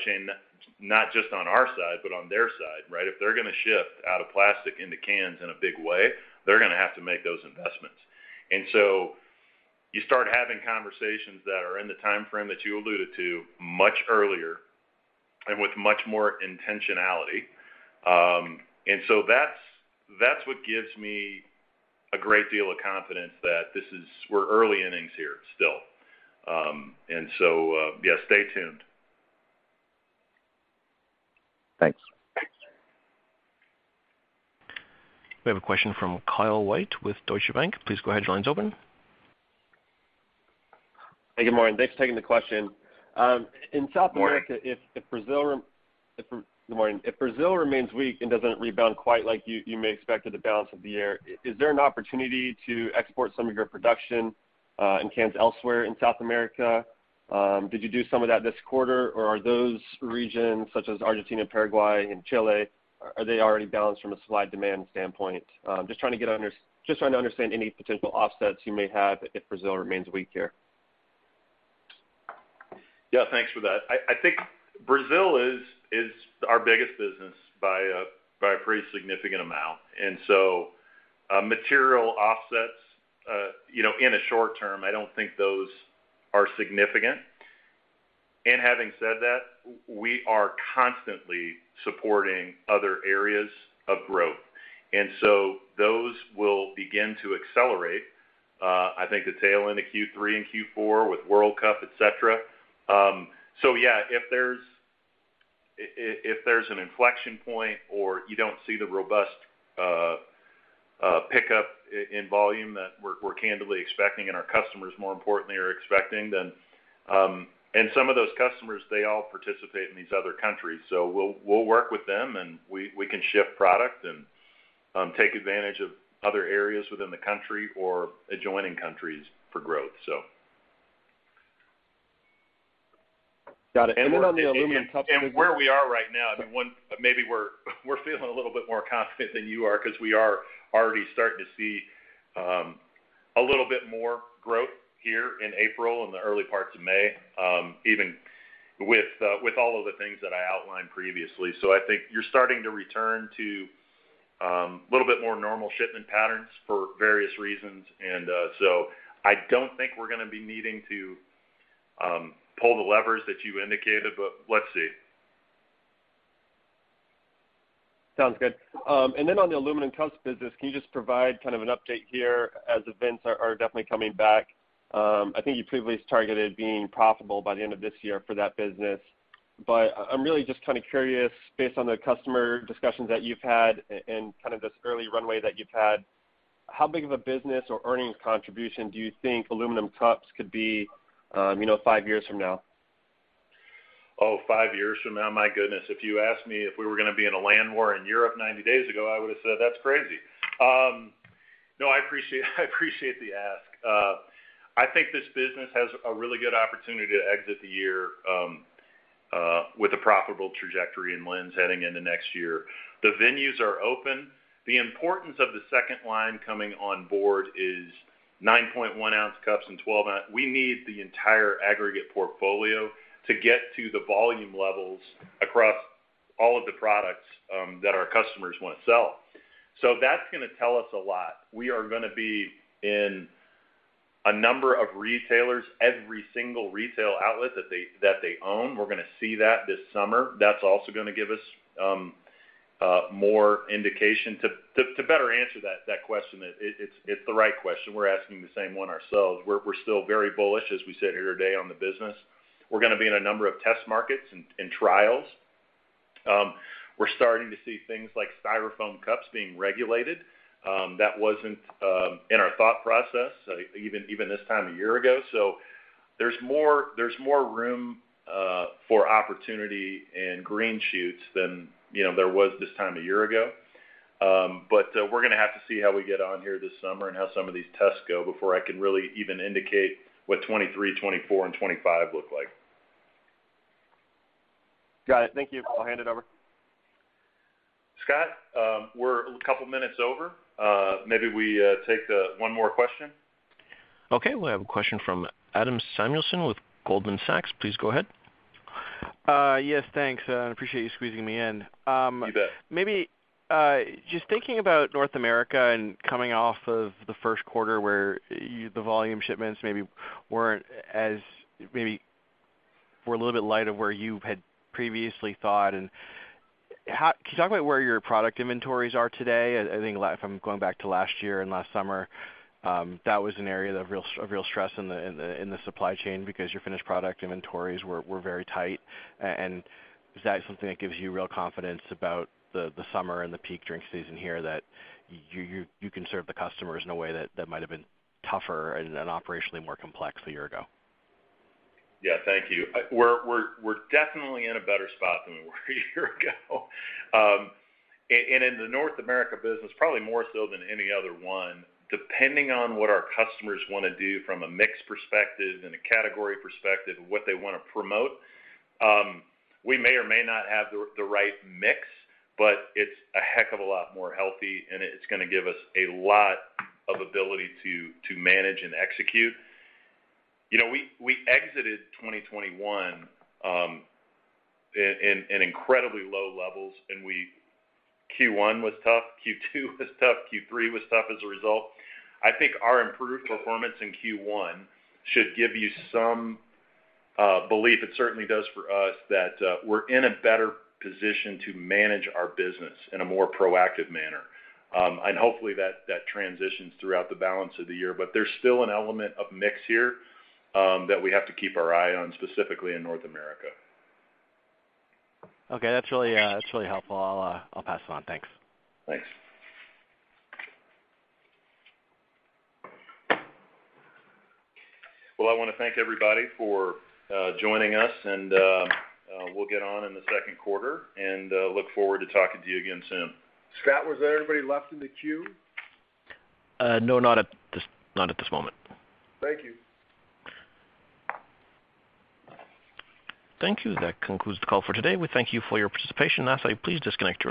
chain not just on our side but on their side, right? If they're gonna shift out of plastic into cans in a big way, they're gonna have to make those investments. You start having conversations that are in the timeframe that you alluded to much earlier and with much more intentionality. That's what gives me a great deal of confidence that we're early innings here still. Yeah, stay tuned. Thanks. We have a question from Kyle White with Deutsche Bank. Please go ahead. Your line's open. Hey, good morning. Thanks for taking the question. In South America. Morning. Good morning. If Brazil remains weak and doesn't rebound quite like you may expect at the balance of the year, is there an opportunity to export some of your production and cans elsewhere in South America? Did you do some of that this quarter, or are those regions such as Argentina, Paraguay, and Chile already balanced from a supply-demand standpoint? Just trying to understand any potential offsets you may have if Brazil remains weak here. Yeah. Thanks for that. I think Brazil is our biggest business by a pretty significant amount. Material offsets, you know, in a short term, I don't think those are significant. Having said that, we are constantly supporting other areas of growth. Those will begin to accelerate, I think the tail end of Q3 and Q4 with World Cup, et cetera. If there's an inflection point or you don't see the robust pickup in volume that we're candidly expecting and our customers more importantly are expecting, then some of those customers, they all participate in these other countries. We'll work with them, and we can ship product and take advantage of other areas within the country or adjoining countries for growth. Got it. On the aluminum cups business. Where we are right now, I mean, maybe we're feeling a little bit more confident than you are because we are already starting to see a little bit more growth here in April and the early parts of May, even with all of the things that I outlined previously. I think you're starting to return to a little bit more normal shipment patterns for various reasons. I don't think we're gonna be needing to pull the levers that you indicated, but let's see. Sounds good. On the aluminum cups business, can you just provide kind of an update here as events are definitely coming back? I think you previously targeted being profitable by the end of this year for that business. I'm really just kind of curious, based on the customer discussions that you've had and kind of this early runway that you've had, how big of a business or earnings contribution do you think aluminum cups could be, you know, five years from now? Oh, five years from now? My goodness, if you asked me if we were gonna be in a land war in Europe 90 days ago, I would have said, "That's crazy." I appreciate the ask. I think this business has a really good opportunity to exit the year with a profitable trajectory in place heading into next year. The venues are open. The importance of the second line coming on board is 9.1 ounce cups and 12 ounce. We need the entire aggregate portfolio to get to the volume levels across all of the products that our customers wanna sell. That's gonna tell us a lot. We are gonna be in a number of retailers, every single retail outlet that they own. We're gonna see that this summer. That's also gonna give us more indication. To better answer that question, it's the right question. We're asking the same one ourselves. We're still very bullish, as we sit here today, on the business. We're gonna be in a number of test markets and trials. We're starting to see things like Styrofoam cups being regulated, that wasn't in our thought process, even this time a year ago. There's more room for opportunity and green shoots than, you know, there was this time a year ago. We're gonna have to see how we get on here this summer and how some of these tests go before I can really even indicate what 2023, 2024, and 2025 look like. Got it. Thank you. I'll hand it over. Scott, we're a couple minutes over. Maybe we take one more question. Okay. We'll have a question from Adam Samuelson with Goldman Sachs. Please go ahead. Yes, thanks. Appreciate you squeezing me in. You bet. Maybe just thinking about North America and coming off of the first quarter where the volume shipments maybe weren't as, maybe were a little bit light of where you had previously thought, and how. Can you talk about where your product inventories are today? I think from going back to last year and last summer, that was an area of real stress in the supply chain because your finished product inventories were very tight. And is that something that gives you real confidence about the summer and the peak drink season here, that you can serve the customers in a way that might have been tougher and operationally more complex a year ago? Yeah, thank you. We're definitely in a better spot than we were a year ago. In the North America business, probably more so than any other one, depending on what our customers wanna do from a mix perspective and a category perspective, and what they wanna promote, we may or may not have the right mix, but it's a heck of a lot more healthy, and it's gonna give us a lot of ability to manage and execute. You know, we exited 2021 in incredibly low levels, and Q1 was tough, Q2 was tough, Q3 was tough as a result. I think our improved performance in Q1 should give you some belief, it certainly does for us, that we're in a better position to manage our business in a more proactive manner. Hopefully that transitions throughout the balance of the year. There's still an element of mix here, that we have to keep our eye on, specifically in North America. Okay, that's really helpful. I'll pass it on. Thanks. Thanks. Well, I wanna thank everybody for joining us, and we'll get on in the second quarter, and look forward to talking to you again soon. Scott, was there anybody left in the queue? No, not at this moment. Thank you. Thank you. That concludes the call for today. We thank you for your participation. Lastly, please disconnect your.